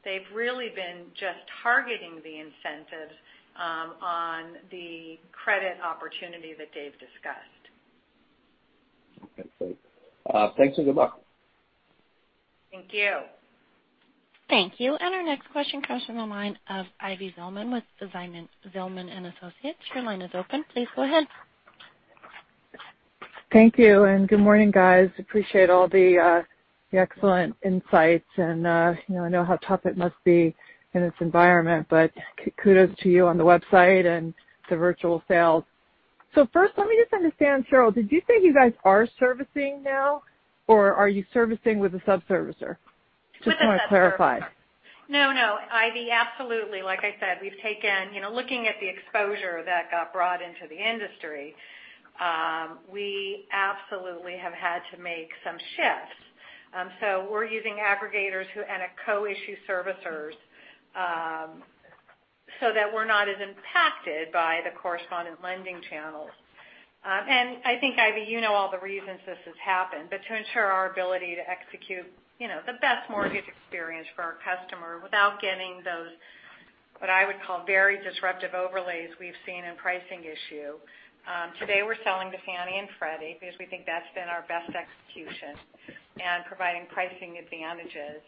They've really been just targeting the incentives on the credit opportunity that Dave discussed. Okay. Great. Thanks and good luck. Thank you. Thank you. And our next question comes from the line of Ivy Zelman with Zelman and Associates. Your line is open. Please go ahead. Thank you. And good morning, guys. Appreciate all the excellent insights. And I know how tough it must be in this environment, but kudos to you on the website and the virtual sales. So first, let me just understand, Sheryl, did you say you guys are servicing now, or are you servicing with a sub-servicer? Just want to clarify. No, no. Ivy, absolutely. Like I said, looking at the exposure that got brought into the industry, we absolutely have had to make some shifts. We're using aggregators and co-issue servicers so that we're not as impacted by the correspondent lending channels. And I think, Ivy, you know all the reasons this has happened, but to ensure our ability to execute the best mortgage experience for our customer without getting those what I would call very disruptive overlays we've seen in pricing issue. Today, we're selling to Fannie and Freddie because we think that's been our best execution and providing pricing advantages.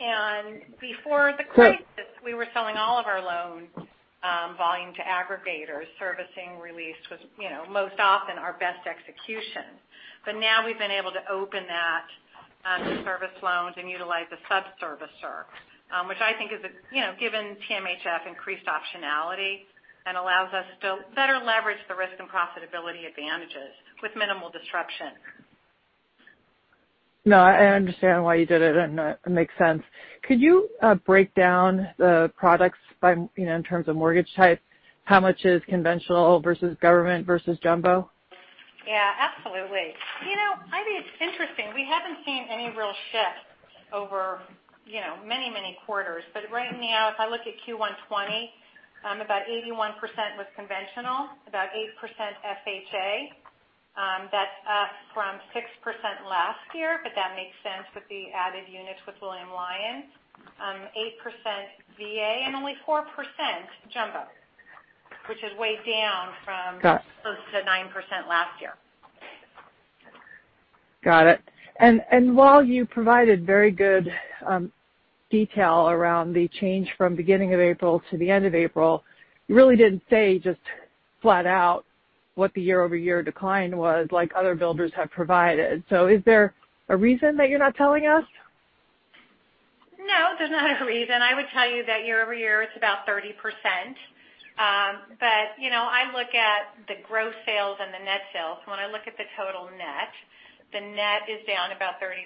And before the crisis, we were selling all of our loan volume to aggregators, servicing released, most often our best execution. But now we've been able to open that to service loans and utilize a sub-servicer, which I think is, given TMHF, increased optionality and allows us to better leverage the risk and profitability advantages with minimal disruption. No, I understand why you did it, and it makes sense. Could you break down the products in terms of mortgage type? How much is conventional versus government versus jumbo? Yeah, absolutely. Ivy, it's interesting. We haven't seen any real shift over many, many quarters. But right now, if I look at Q1 2020, about 81% was conventional, about 8% FHA. That's up from 6% last year, but that makes sense with the added units with William Lyon, 8% VA, and only 4% jumbo, which is way down from close to 9% last year. Got it. And while you provided very good detail around the change from beginning of April to the end of April, you really didn't say just flat out what the year-over-year decline was like other builders have provided. So is there a reason that you're not telling us? No, there's not a reason. I would tell you that year-over-year, it's about 30%. But I look at the gross sales and the net sales. When I look at the total net, the net is down about 30%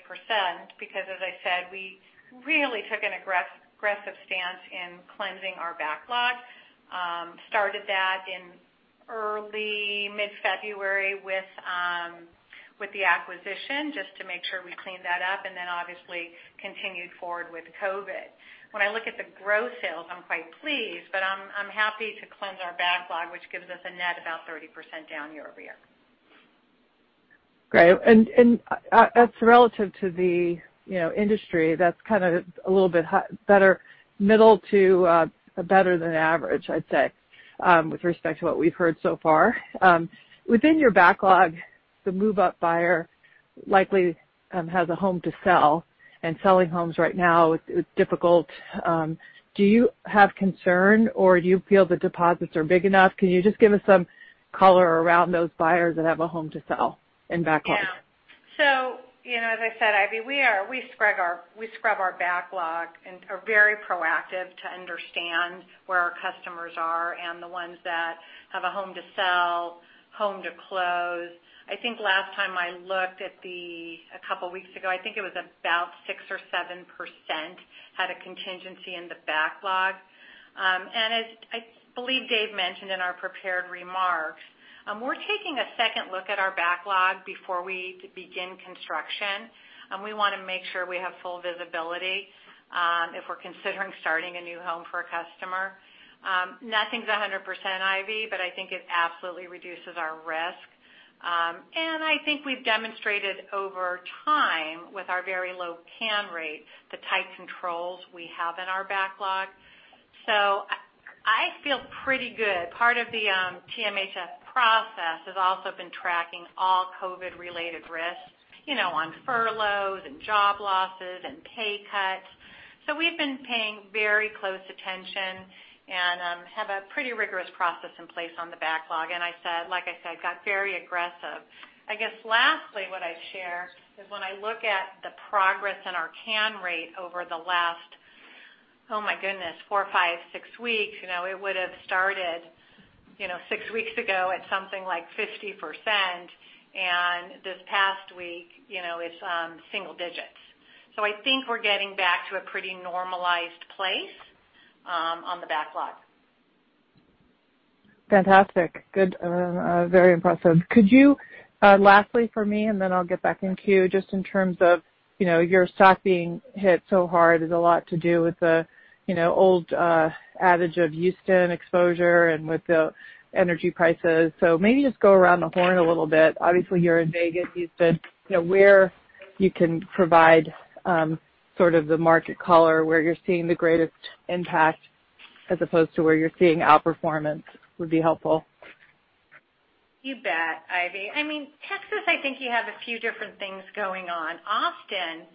because, as I said, we really took an aggressive stance in cleansing our backlog. Started that in early mid-February with the acquisition just to make sure we cleaned that up and then obviously continued forward with COVID. When I look at the gross sales, I'm quite pleased, but I'm happy to cleanse our backlog, which gives us a net about 30% down year-over-year. Great. And that's relative to the industry. That's kind of a little bit better middle to better than average, I'd say, with respect to what we've heard so far. Within your backlog, the move-up buyer likely has a home to sell, and selling homes right now is difficult. Do you have concern, or do you feel the deposits are big enough? Can you just give us some color around those buyers that have a home to sell in backlog? Yeah. So as I said, Ivy, we scrub our backlog and are very proactive to understand where our customers are and the ones that have a home to sell, home to close. I think last time I looked, a couple of weeks ago, I think it was about 6% or 7% had a contingency in the backlog. And as I believe Dave mentioned in our prepared remarks, we're taking a second look at our backlog before we begin construction. We want to make sure we have full visibility if we're considering starting a new home for a customer. Nothing's 100%, Ivy, but I think it absolutely reduces our risk. And I think we've demonstrated over time with our very low can rate, the tight controls we have in our backlog. So I feel pretty good. Part of the TMHF process has also been tracking all COVID-related risks on furloughs and job losses and pay cuts, so we've been paying very close attention and have a pretty rigorous process in place on the backlog, and like I said, got very aggressive. I guess lastly, what I'd share is when I look at the progress in our can rate over the last, oh my goodness, four, five, six weeks, it would have started six weeks ago at something like 50%, and this past week, it's single digits, so I think we're getting back to a pretty normalized place on the backlog. Fantastic. Good. Very impressive. Lastly for me, and then I'll get back in queue, just in terms of your stock being hit so hard, is a lot to do with the old adage of Houston exposure and with the energy prices. So maybe just go around the horn a little bit. Obviously, you're in Vegas, Houston. Where you can provide sort of the market color, where you're seeing the greatest impact as opposed to where you're seeing outperformance would be helpful. You bet, Ivy. I mean, Texas, I think you have a few different things going on. Austin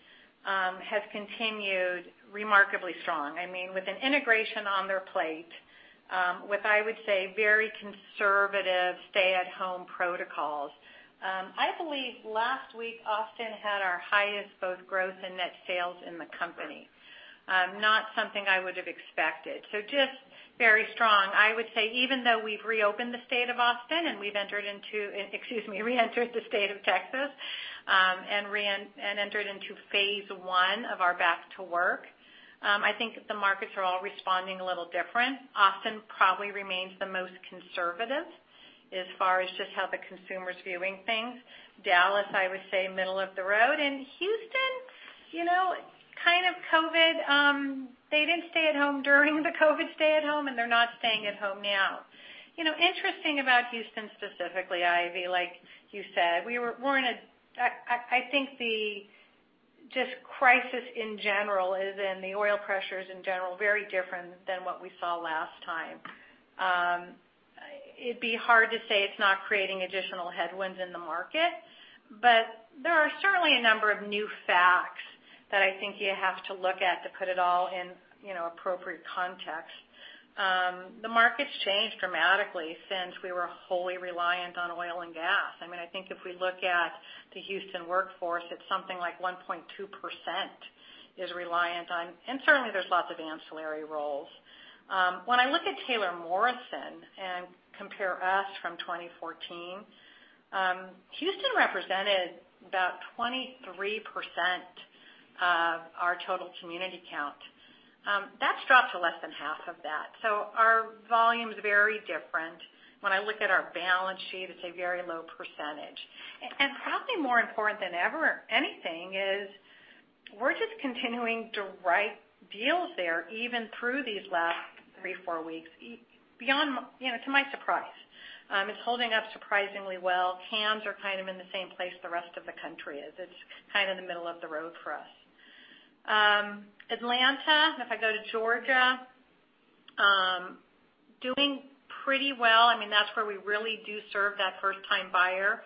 has continued remarkably strong. I mean, with an integration on their plate, with, I would say, very conservative stay-at-home protocols. I believe last week, Austin had our highest both growth and net sales in the company. Not something I would have expected. So just very strong. I would say, even though we've reopened the state of Austin and we've entered into excuse me, re-entered the state of Texas and entered into phase I of our back-to-work, I think the markets are all responding a little different. Austin probably remains the most conservative as far as just how the consumer's viewing things. Dallas, I would say, middle of the road, and Houston, kind of COVID, they didn't stay at home during the COVID stay-at-home, and they're not staying at home now. Interesting about Houston specifically, Ivy, like you said. I think just crisis in general is in the oil pressures in general, very different than what we saw last time. It'd be hard to say it's not creating additional headwinds in the market, but there are certainly a number of new facts that I think you have to look at to put it all in appropriate context. The market's changed dramatically since we were wholly reliant on oil and gas. I mean, I think if we look at the Houston workforce, it's something like 1.2% is reliant on. And certainly, there's lots of ancillary roles. When I look at Taylor Morrison and compare us from 2014, Houston represented about 23% of our total community count. That's dropped to less than half of that. So our volume's very different. When I look at our balance sheet, it's a very low percentage. And probably more important than anything is we're just continuing to write deals there even through these last three, four weeks, to my surprise. It's holding up surprisingly well. Cans are kind of in the same place the rest of the country is. It's kind of the middle of the road for us. Atlanta, if I go to Georgia, doing pretty well. I mean, that's where we really do serve that first-time buyer.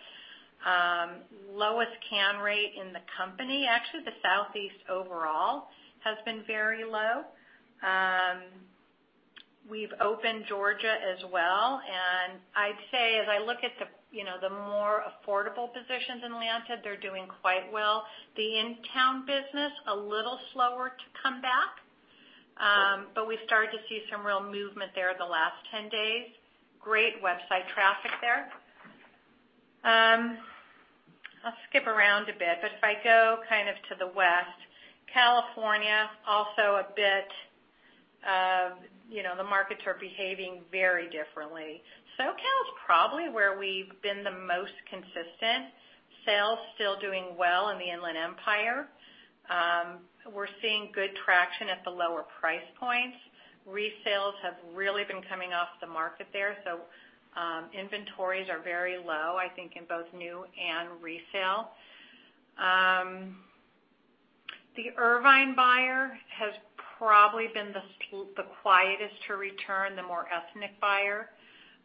Lowest can rate in the company. Actually, the Southeast overall has been very low. We've opened Georgia as well. And I'd say, as I look at the more affordable positions in Atlanta, they're doing quite well. The in-town business, a little slower to come back, but we've started to see some real movement there the last 10 days. Great website traffic there. I'll skip around a bit, but if I go kind of to the West, California, also a bit, the markets are behaving very differently. SoCal's probably where we've been the most consistent. Sales still doing well in the Inland Empire. We're seeing good traction at the lower price points. Resales have really been coming off the market there. So inventories are very low, I think, in both new and resale. The Irvine buyer has probably been the quietest to return, the more ethnic buyer.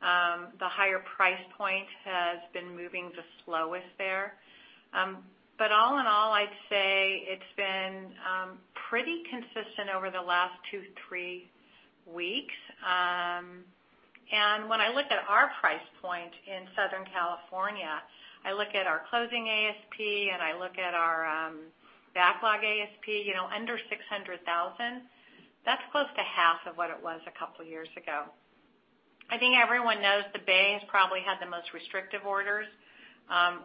The higher price point has been moving the slowest there. But all in all, I'd say it's been pretty consistent over the last two, three weeks. When I look at our price point in Southern California, I look at our closing ASP, and I look at our backlog ASP under $600,000. That's close to half of what it was a couple of years ago. I think everyone knows the Bay has probably had the most restrictive orders.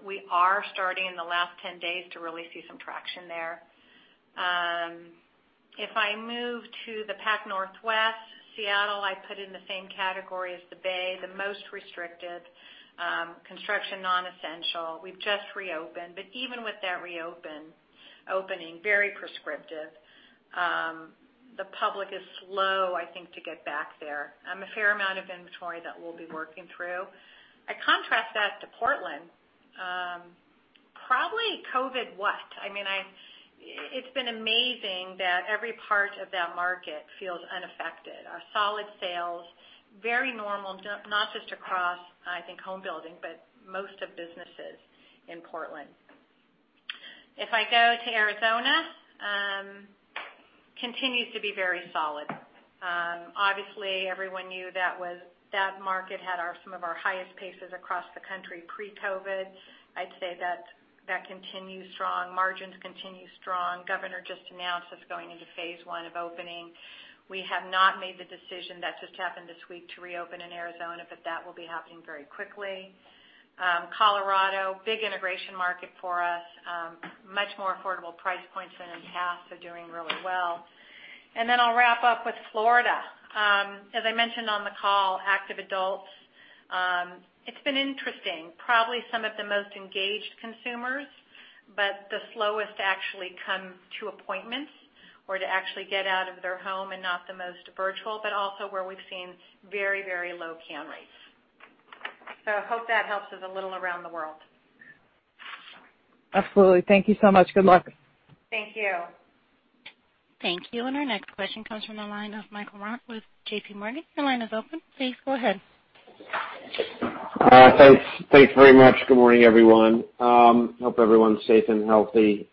We are starting in the last 10 days to really see some traction there. If I move to the Pacific Northwest, Seattle, I put in the same category as the Bay, the most restricted, construction non-essential. We've just reopened. But even with that reopening, very prescriptive. The public is slow, I think, to get back there. A fair amount of inventory that we'll be working through. I contrast that to Portland. Probably COVID, what? I mean, it's been amazing that every part of that market feels unaffected. Our solid sales, very normal, not just across, I think, home building, but most of businesses in Portland. If I go to Arizona, continues to be very solid. Obviously, everyone knew that market had some of our highest paces across the country pre-COVID. I'd say that continues strong. Margins continue strong. Governor just announced us going into phase one of opening. We have not made the decision that just happened this week to reopen in Arizona, but that will be happening very quickly. Colorado, big integration market for us, much more affordable price points than in the past, so doing really well. And then I'll wrap up with Florida. As I mentioned on the call, active adults. It's been interesting. Probably some of the most engaged consumers, but the slowest to actually come to appointments or to actually get out of their home and not the most virtual, but also where we've seen very, very low cancel rates. So I hope that helps us a little around the world. Absolutely. Thank you so much. Good luck. Thank you. Thank you. And our next question comes from the line of Michael Rehaut with J.P. Morgan. Your line is open. Please go ahead. Thanks very much. Good morning, everyone. Hope everyone's safe and healthy.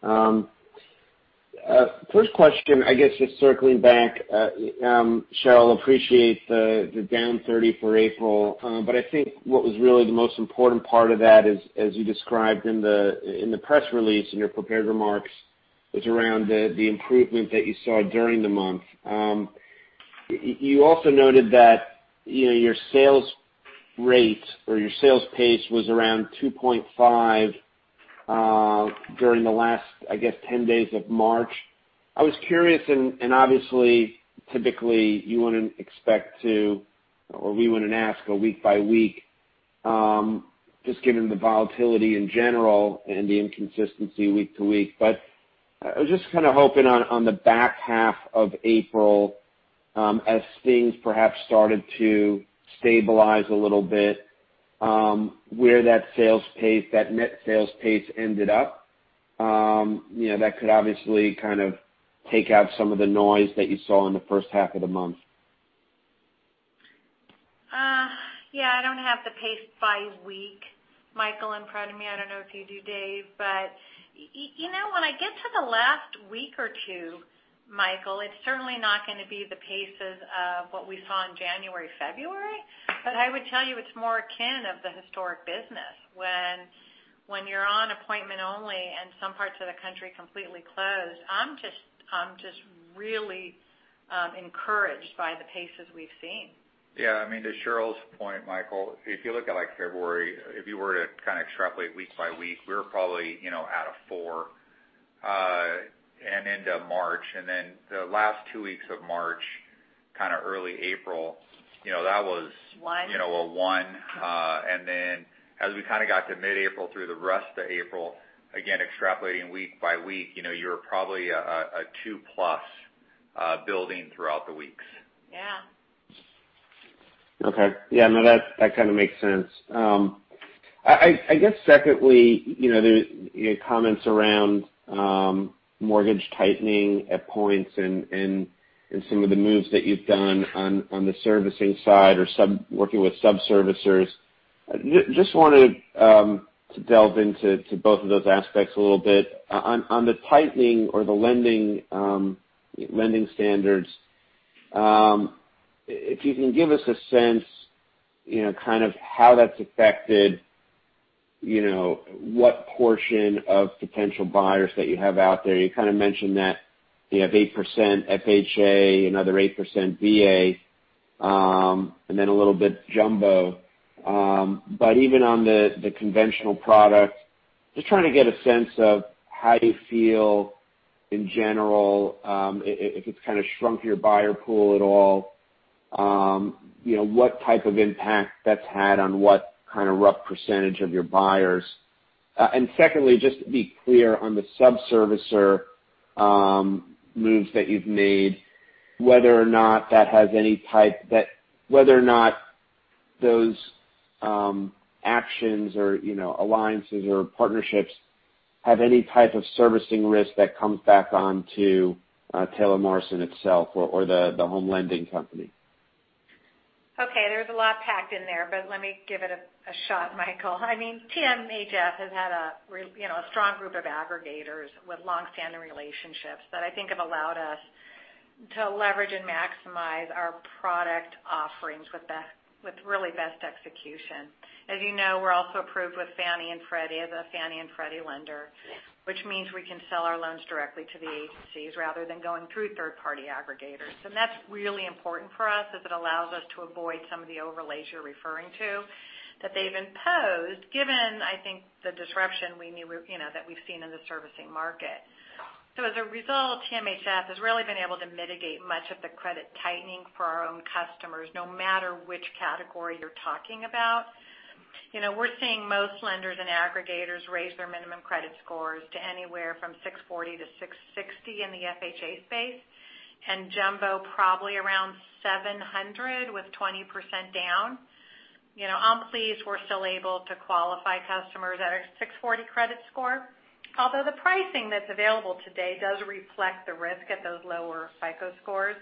First question, I guess just circling back, Sheryl, I appreciate the down 30% for April, but I think what was really the most important part of that, as you described in the press release and your prepared remarks, was around the improvement that you saw during the month. You also noted that your sales rate or your sales pace was around 2.5 during the last, I guess, 10 days of March. I was curious, and obviously, typically, you wouldn't expect to, or we wouldn't ask a week by week, just given the volatility in general and the inconsistency week to week. But I was just kind of hoping on the back half of April, as things perhaps started to stabilize a little bit, where that sales pace, that net sales pace ended up, that could obviously kind of take out some of the noise that you saw in the first half of the month. Yeah. I don't have the pace by week, Michael, in front of me. I don't know if you do, Dave, but when I get to the last week or two, Michael, it's certainly not going to be the paces of what we saw in January, February. But I would tell you it's more akin of the historic business. When you're on appointment only and some parts of the country completely closed, I'm just really encouraged by the paces we've seen. Yeah. I mean, to Sheryl's point, Michael, if you look at February, if you were to kind of extrapolate week by week, we were probably at a four and into March. And then the last two weeks of March, kind of early April, that was. One. In Q1. And then as we kind of got to mid-April through the rest of April, again, extrapolating week by week, you were probably a 2-plus building throughout the weeks. Yeah. Okay. Yeah. No, that kind of makes sense. I guess secondly, comments around mortgage tightening at points and some of the moves that you've done on the servicing side or working with sub-servicers. Just wanted to delve into both of those aspects a little bit. On the tightening or the lending standards, if you can give us a sense kind of how that's affected what portion of potential buyers that you have out there. You kind of mentioned that you have 8% FHA and other 8% VA and then a little bit jumbo. But even on the conventional product, just trying to get a sense of how you feel in general, if it's kind of shrunk your buyer pool at all, what type of impact that's had on what kind of rough percentage of your buyers. Secondly, just to be clear on the sub-servicer moves that you've made, whether or not those actions or alliances or partnerships have any type of servicing risk that comes back onto Taylor Morrison itself or the home lending company. Okay. There's a lot packed in there, but let me give it a shot, Michael. I mean, TMHF has had a strong group of aggregators with long-standing relationships that I think have allowed us to leverage and maximize our product offerings with really best execution. As you know, we're also approved with Fannie and Freddie, the Fannie and Freddie lender, which means we can sell our loans directly to the agencies rather than going through third-party aggregators. And that's really important for us as it allows us to avoid some of the overlays you're referring to that they've imposed, given, I think, the disruption that we've seen in the servicing market. So as a result, TMHF has really been able to mitigate much of the credit tightening for our own customers, no matter which category you're talking about. We're seeing most lenders and aggregators raise their minimum credit scores to anywhere from 640-660 in the FHA space and jumbo probably around 700 with 20% down. I'm pleased we're still able to qualify customers at a 640 credit score, although the pricing that's available today does reflect the risk at those lower FICO scores.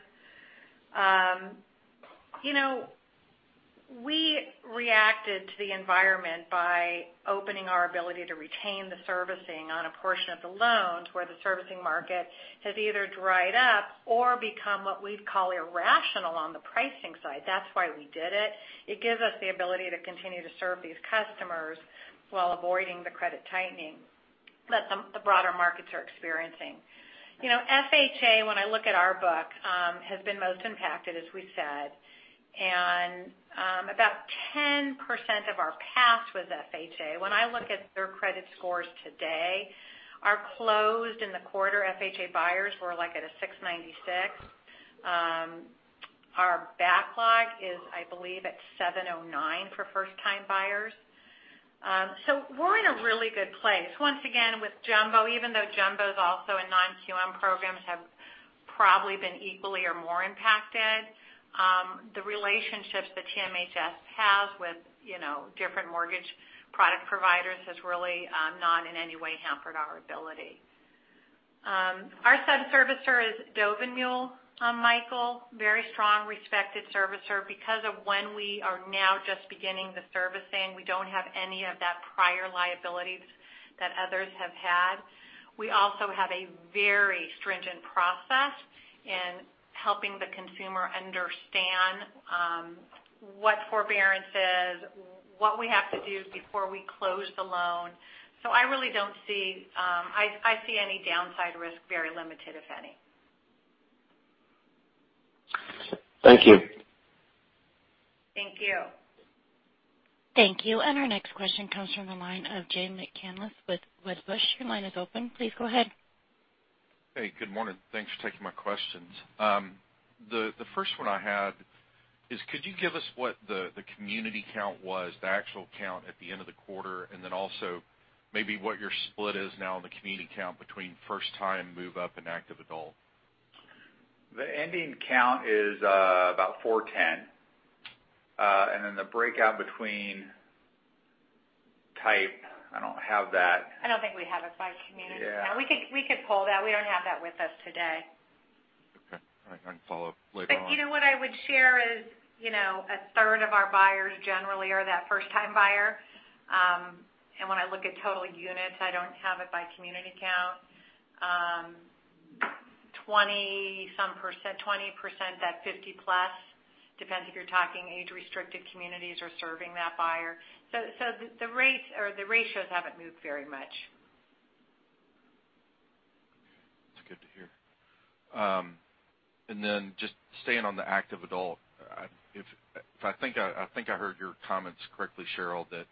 We reacted to the environment by opening our ability to retain the servicing on a portion of the loans where the servicing market has either dried up or become what we'd call irrational on the pricing side. That's why we did it. It gives us the ability to continue to serve these customers while avoiding the credit tightening that the broader markets are experiencing. FHA, when I look at our book, has been most impacted, as we said, and about 10% of our past was FHA. When I look at their credit scores today, our closings in the quarter FHA buyers were at a 696. Our backlog is, I believe, at 709 for first-time buyers. So we're in a really good place. Once again, with jumbo, even though jumbo's also in non-QM programs, have probably been equally or more impacted. The relationships that TMHF has with different mortgage product providers has really not in any way hampered our ability. Our sub-servicer is Dovenmuehle Mortgage, very strong, respected servicer. Because of when we are now just beginning the servicing, we don't have any of that prior liability that others have had. We also have a very stringent process in helping the consumer understand what forbearance is, what we have to do before we close the loan. So I really don't see any downside risk, very limited, if any. Thank you. Thank you. Thank you. And our next question comes from the line of Jay McCanless with Wedbush. Your line is open. Please go ahead. Hey, good morning. Thanks for taking my questions. The first one I had is, could you give us what the community count was, the actual count at the end of the quarter, and then also maybe what your split is now in the community count between first-time move-up and active adult? The ending count is about 410, and then the breakout between type, I don't have that. I don't think we have it by community count. We could pull that. We don't have that with us today. Okay. All right. I can follow up later on. But you know what I would share is a third of our buyers generally are that first-time buyer. And when I look at total units, I don't have it by community count. 20-some%, 20%, that 50-plus, depends if you're talking age-restricted communities or serving that buyer. So the rates or the ratios haven't moved very much. That's good to hear. And then just staying on the active adult, if I think I heard your comments correctly, Sheryl, that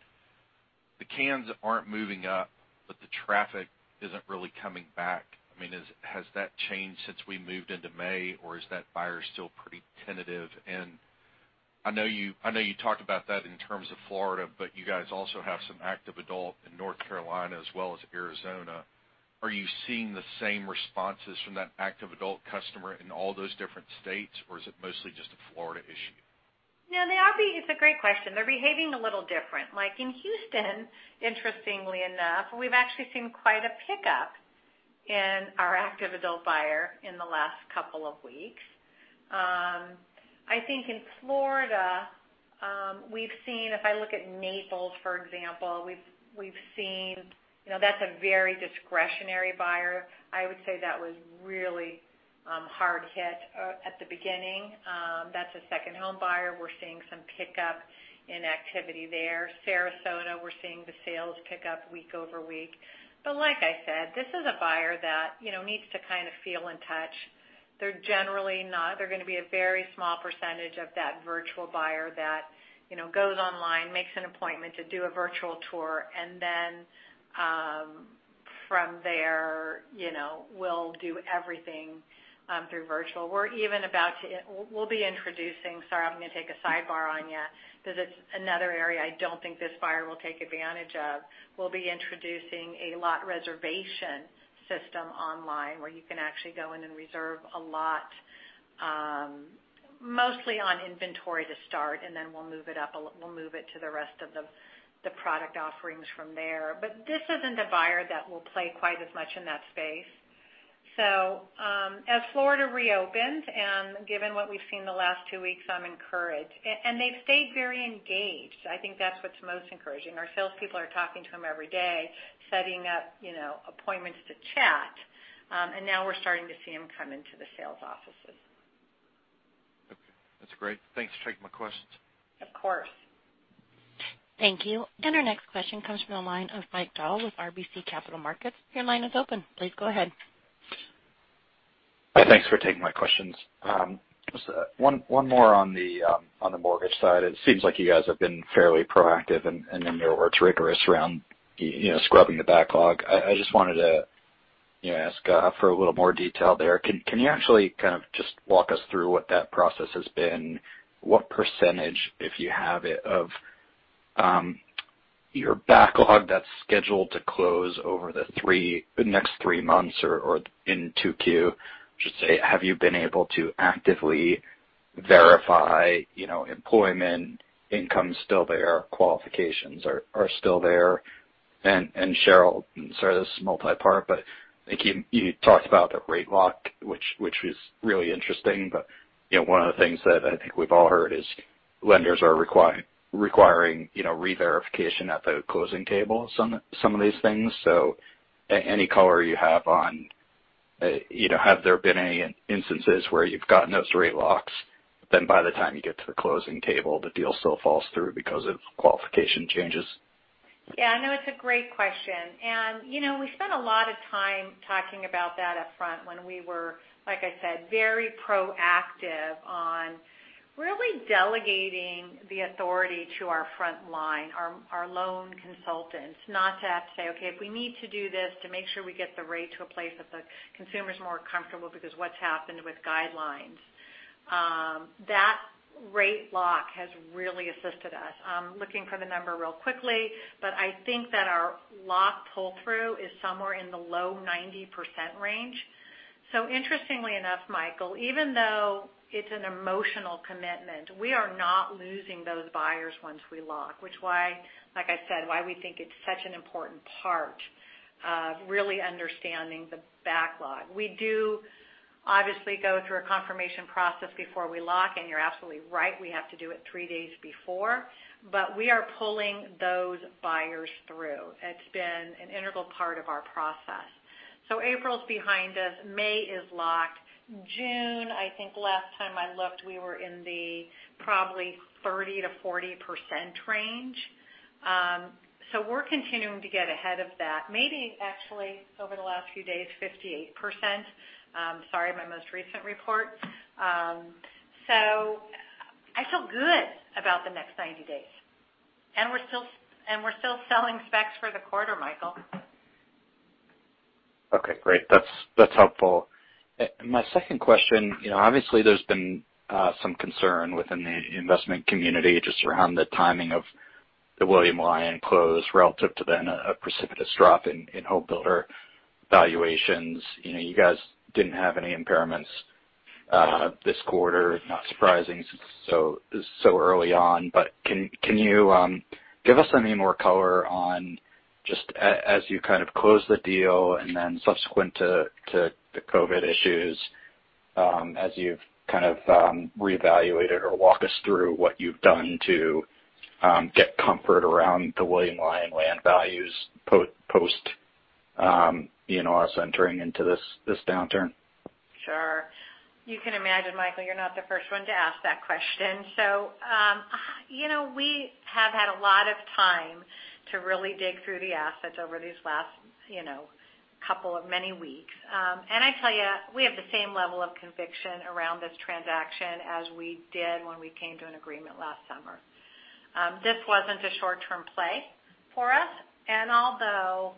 the cans aren't moving up, but the traffic isn't really coming back. I mean, has that changed since we moved into May, or is that buyer still pretty tentative? And I know you talked about that in terms of Florida, but you guys also have some active adult in North Carolina as well as Arizona. Are you seeing the same responses from that active adult customer in all those different states, or is it mostly just a Florida issue? No, it's a great question. They're behaving a little different. In Houston, interestingly enough, we've actually seen quite a pickup in our active adult buyer in the last couple of weeks. I think in Florida, we've seen if I look at Naples, for example, we've seen that's a very discretionary buyer. I would say that was really hard hit at the beginning. That's a second-home buyer. We're seeing some pickup in activity there. Sarasota, we're seeing the sales pick up week over week. But like I said, this is a buyer that needs to kind of feel in touch. They're generally not going to be a very small percentage of that virtual buyer that goes online, makes an appointment to do a virtual tour, and then from there, we'll do everything through virtual. We'll be introducing, sorry, I'm going to take a sidebar on you because it's another area I don't think this buyer will take advantage of. We'll be introducing a lot reservation system online where you can actually go in and reserve a lot, mostly on inventory to start, and then we'll move it up. We'll move it to the rest of the product offerings from there, but this isn't a buyer that will play quite as much in that space, so as Florida reopens, and given what we've seen the last two weeks, I'm encouraged, and they've stayed very engaged. I think that's what's most encouraging. Our salespeople are talking to him every day, setting up appointments to chat, and now we're starting to see him come into the sales offices. Okay. That's great. Thanks for taking my questions. Of course. Thank you. And our next question comes from the line of Michael Dahl with RBC Capital Markets. Your line is open. Please go ahead. Thanks for taking my questions. One more on the mortgage side. It seems like you guys have been fairly proactive and, in your words, rigorous around scrubbing the backlog. I just wanted to ask for a little more detail there. Can you actually kind of just walk us through what that process has been? What percentage, if you have it, of your backlog that's scheduled to close over the next three months or into queue, I should say, have you been able to actively verify employment, income still there, qualifications are still there? And Sheryl, sorry, this is multi-part, but I think you talked about the rate lock, which was really interesting. But one of the things that I think we've all heard is lenders are requiring re-verification at the closing table of some of these things. So, any color you have on, have there been any instances where you've gotten those rate locks, then by the time you get to the closing table, the deal still falls through because of qualification changes? Yeah. No, it's a great question, and we spent a lot of time talking about that upfront when we were, like I said, very proactive on really delegating the authority to our front line, our loan consultants, not to have to say, "Okay, if we need to do this to make sure we get the rate to a place that the consumer's more comfortable because what's happened with guidelines." That rate lock has really assisted us. I'm looking for the number really quickly, but I think that our lock pull-through is somewhere in the low 90% range. So interestingly enough, Michael, even though it's an emotional commitment, we are not losing those buyers once we lock, which, like I said, why we think it's such an important part of really understanding the backlog. We do obviously go through a confirmation process before we lock, and you're absolutely right. We have to do it three days before, but we are pulling those buyers through. It's been an integral part of our process, so April's behind us. May is locked. June, I think last time I looked, we were in the probably 30%-40% range, so we're continuing to get ahead of that. Maybe actually, over the last few days, 58%. Sorry, my most recent report. So, I feel good about the next 90 days, and we're still selling specs for the quarter, Michael. Okay. Great. That's helpful. My second question, obviously, there's been some concern within the investment community just around the timing of the William Lyon close relative to then a precipitous drop in home builder valuations. You guys didn't have any impairments this quarter, not surprising so early on. But can you give us any more color on just as you kind of close the deal and then subsequent to the COVID issues, as you've kind of reevaluated or walk us through what you've done to get comfort around the William Lyon land values post us entering into this downturn? Sure. You can imagine, Michael, you're not the first one to ask that question. So we have had a lot of time to really dig through the assets over these last couple of many weeks. And I tell you, we have the same level of conviction around this transaction as we did when we came to an agreement last summer. This wasn't a short-term play for us. And although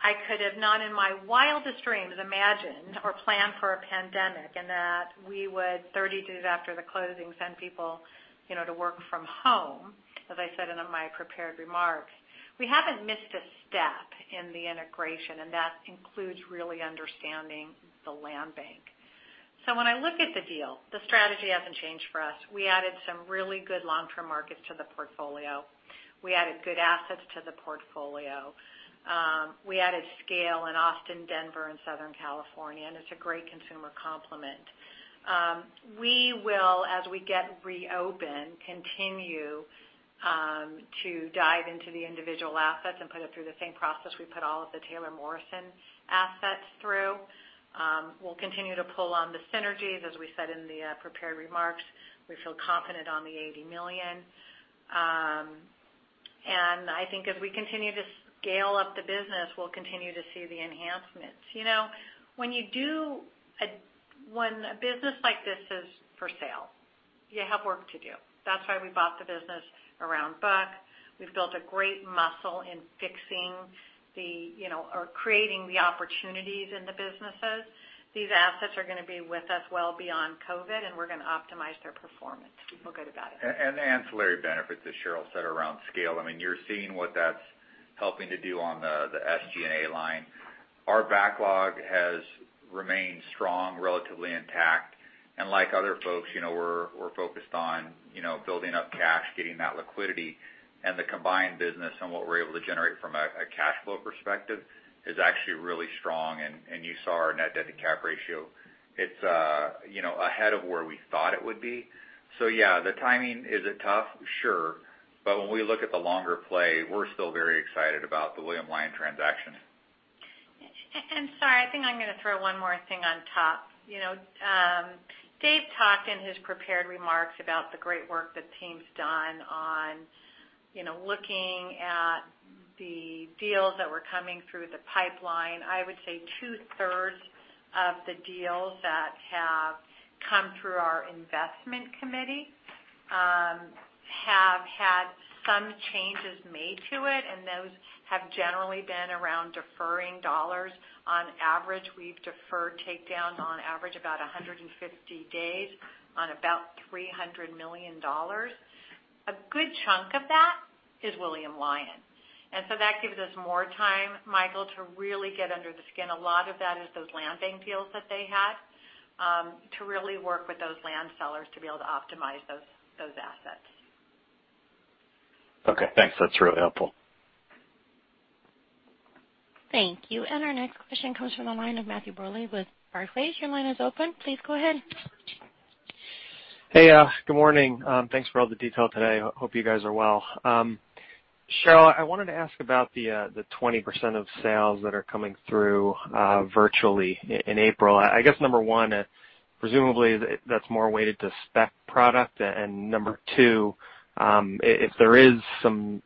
I could have not in my wildest dreams imagined or planned for a pandemic and that we would 30 days after the closing send people to work from home, as I said in my prepared remarks, we haven't missed a step in the integration, and that includes really understanding the land bank. So when I look at the deal, the strategy hasn't changed for us. We added some really good long-term markets to the portfolio. We added good assets to the portfolio. We added scale in Austin, Denver, and Southern California, and it's a great consumer complement. We will, as we get reopened, continue to dive into the individual assets and put it through the same process we put all of the Taylor Morrison assets through. We'll continue to pull on the synergies, as we said in the prepared remarks. We feel confident on the $80 million. I think as we continue to scale up the business, we'll continue to see the enhancements. When you do a business like this is for sale. You have work to do. That's why we bought the business around book. We've built a great muscle in fixing the or creating the opportunities in the businesses. These assets are going to be with us well beyond COVID, and we're going to optimize their performance. We're good about it. Ancillary benefits, as Sheryl said, around scale. I mean, you're seeing what that's helping to do on the SG&A line. Our backlog has remained strong, relatively intact. Like other folks, we're focused on building up cash, getting that liquidity. The combined business and what we're able to generate from a cash flow perspective is actually really strong. You saw our net debt-to-capital ratio. It's ahead of where we thought it would be. Yeah, the timing isn't tough, sure. But when we look at the longer play, we're still very excited about the William Lyon transaction. Sorry, I think I'm going to throw one more thing on top. Dave talked in his prepared remarks about the great work that team's done on looking at the deals that were coming through the pipeline. I would say two-thirds of the deals that have come through our investment committee have had some changes made to it, and those have generally been around deferring dollars. On average, we've deferred takedowns on average about 150 days on about $300 million. A good chunk of that is William Lyon. And so that gives us more time, Michael, to really get under the skin. A lot of that is those land bank deals that they had to really work with those land sellers to be able to optimize those assets. Okay. Thanks. That's really helpful. Thank you. And our next question comes from the line of Matthew Bouley with Barclays. Your line is open. Please go ahead. Hey, good morning. Thanks for all the detail today. Hope you guys are well. Sheryl, I wanted to ask about the 20% of sales that are coming through virtually in April. I guess number one, presumably that's more weighted to spec product. And number two, if there is some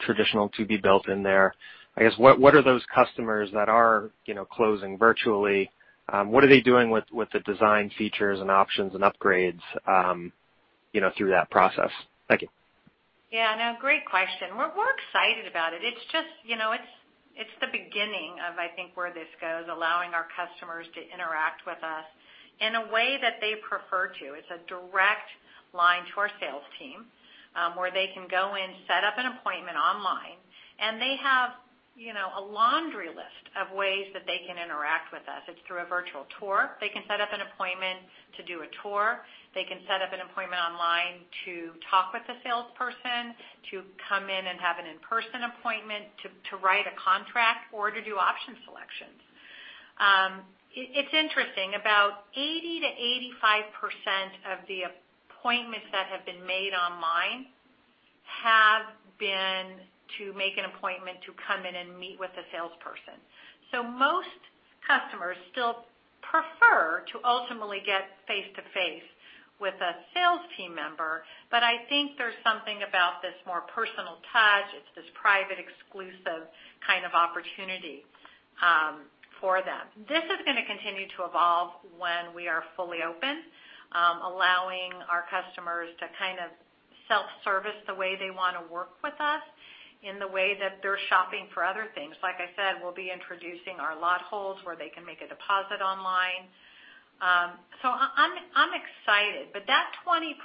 traditional to be built in there, I guess what are those customers that are closing virtually? What are they doing with the design features and options and upgrades through that process? Thank you. Yeah. No, great question. We're excited about it. It's just it's the beginning of, I think, where this goes, allowing our customers to interact with us in a way that they prefer to. It's a direct line to our sales team where they can go in, set up an appointment online, and they have a laundry list of ways that they can interact with us. It's through a virtual tour. They can set up an appointment to do a tour. They can set up an appointment online to talk with the salesperson, to come in and have an in-person appointment, to write a contract, or to do option selections. It's interesting about 80%-85% of the appointments that have been made online have been to make an appointment to come in and meet with the salesperson. So most customers still prefer to ultimately get face-to-face with a sales team member, but I think there's something about this more personal touch. It's this private, exclusive kind of opportunity for them. This is going to continue to evolve when we are fully open, allowing our customers to kind of self-service the way they want to work with us in the way that they're shopping for other things. Like I said, we'll be introducing our lot holds where they can make a deposit online. So I'm excited. But that 20%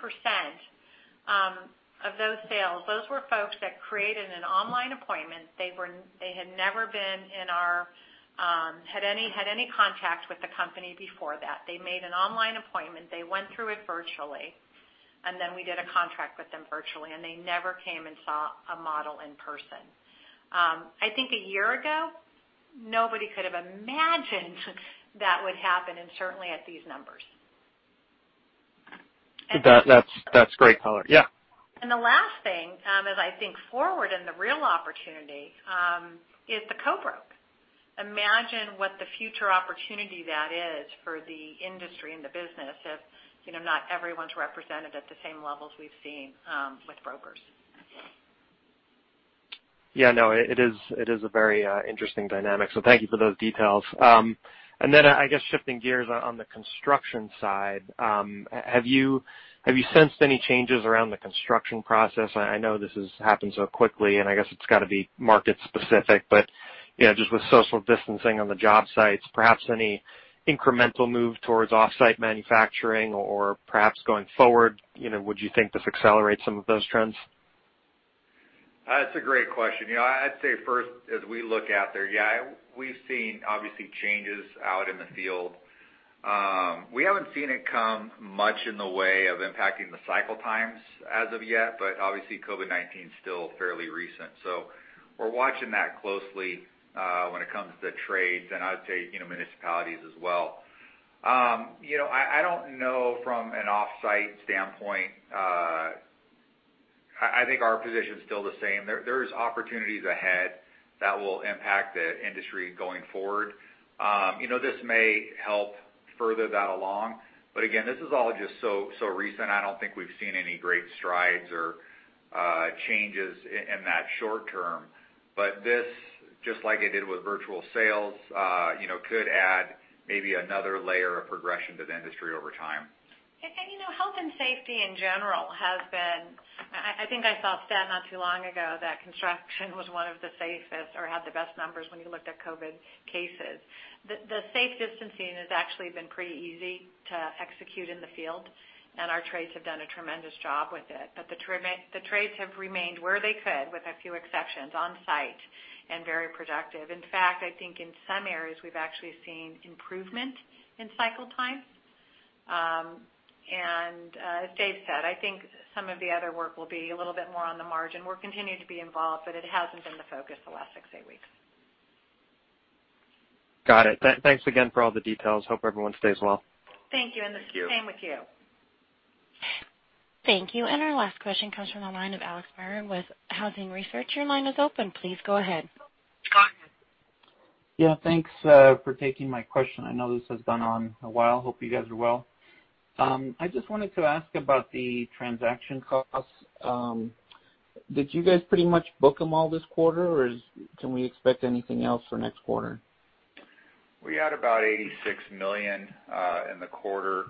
of those sales, those were folks that created an online appointment. They had never had any contact with the company before that. They made an online appointment. They went through it virtually, and then we did a contract with them virtually, and they never came and saw a model in person. I think a year ago, nobody could have imagined that would happen and certainly at these numbers. That's great color. Yeah. The last thing as I think forward and the real opportunity is the co-broke. Imagine what the future opportunity that is for the industry and the business if not everyone's represented at the same levels we've seen with brokers. Yeah. No, it is a very interesting dynamic. So thank you for those details. And then I guess shifting gears on the construction side, have you sensed any changes around the construction process? I know this has happened so quickly, and I guess it's got to be market-specific, but just with social distancing on the job sites, perhaps any incremental move towards off-site manufacturing or perhaps going forward, would you think this accelerates some of those trends? That's a great question. I'd say first, as we look out there, yeah, we've seen obviously changes out in the field. We haven't seen it come much in the way of impacting the cycle times as of yet, but obviously COVID-19 is still fairly recent. So we're watching that closely when it comes to trades, and I'd say municipalities as well. I don't know from an off-site standpoint. I think our position is still the same. There's opportunities ahead that will impact the industry going forward. This may help further that along. But again, this is all just so recent. I don't think we've seen any great strides or changes in that short term. But this, just like it did with virtual sales, could add maybe another layer of progression to the industry over time. Health and safety in general has been. I think I saw a stat not too long ago that construction was one of the safest or had the best numbers when you looked at COVID cases. The safe distancing has actually been pretty easy to execute in the field, and our trades have done a tremendous job with it, but the trades have remained where they could, with a few exceptions, on-site and very productive. In fact, I think in some areas we've actually seen improvement in cycle time. As Dave said, I think some of the other work will be a little bit more on the margin. We're continuing to be involved, but it hasn't been the focus the last six, eight weeks. Got it. Thanks again for all the details. Hope everyone stays well. Thank you. And the same with you. Thank you. And our last question comes from the line of Alex Barron with Housing Research Center. Your line is open. Please go ahead. Yeah. Thanks for taking my question. I know this has gone on a while. Hope you guys are well. I just wanted to ask about the transaction costs. Did you guys pretty much book them all this quarter, or can we expect anything else for next quarter? We had about $86 million in the quarter.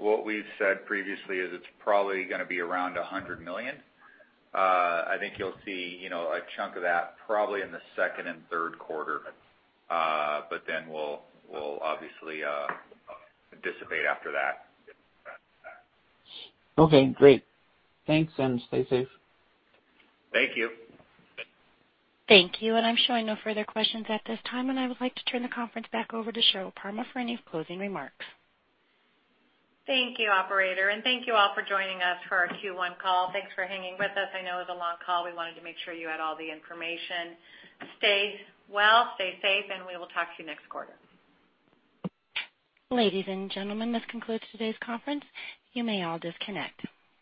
What we've said previously is it's probably going to be around $100 million. I think you'll see a chunk of that probably in the second and third quarter, but then we'll obviously dissipate after that. Okay. Great. Thanks and stay safe. Thank you. Thank you, and I'm showing no further questions at this time, and I would like to turn the conference back over to Sheryl Palmer for any closing remarks. Thank you, Operator. And thank you all for joining us for our Q1 call. Thanks for hanging with us. I know it was a long call. We wanted to make sure you had all the information. Stay well, stay safe, and we will talk to you next quarter. Ladies and gentlemen, this concludes today's conference. You may all disconnect.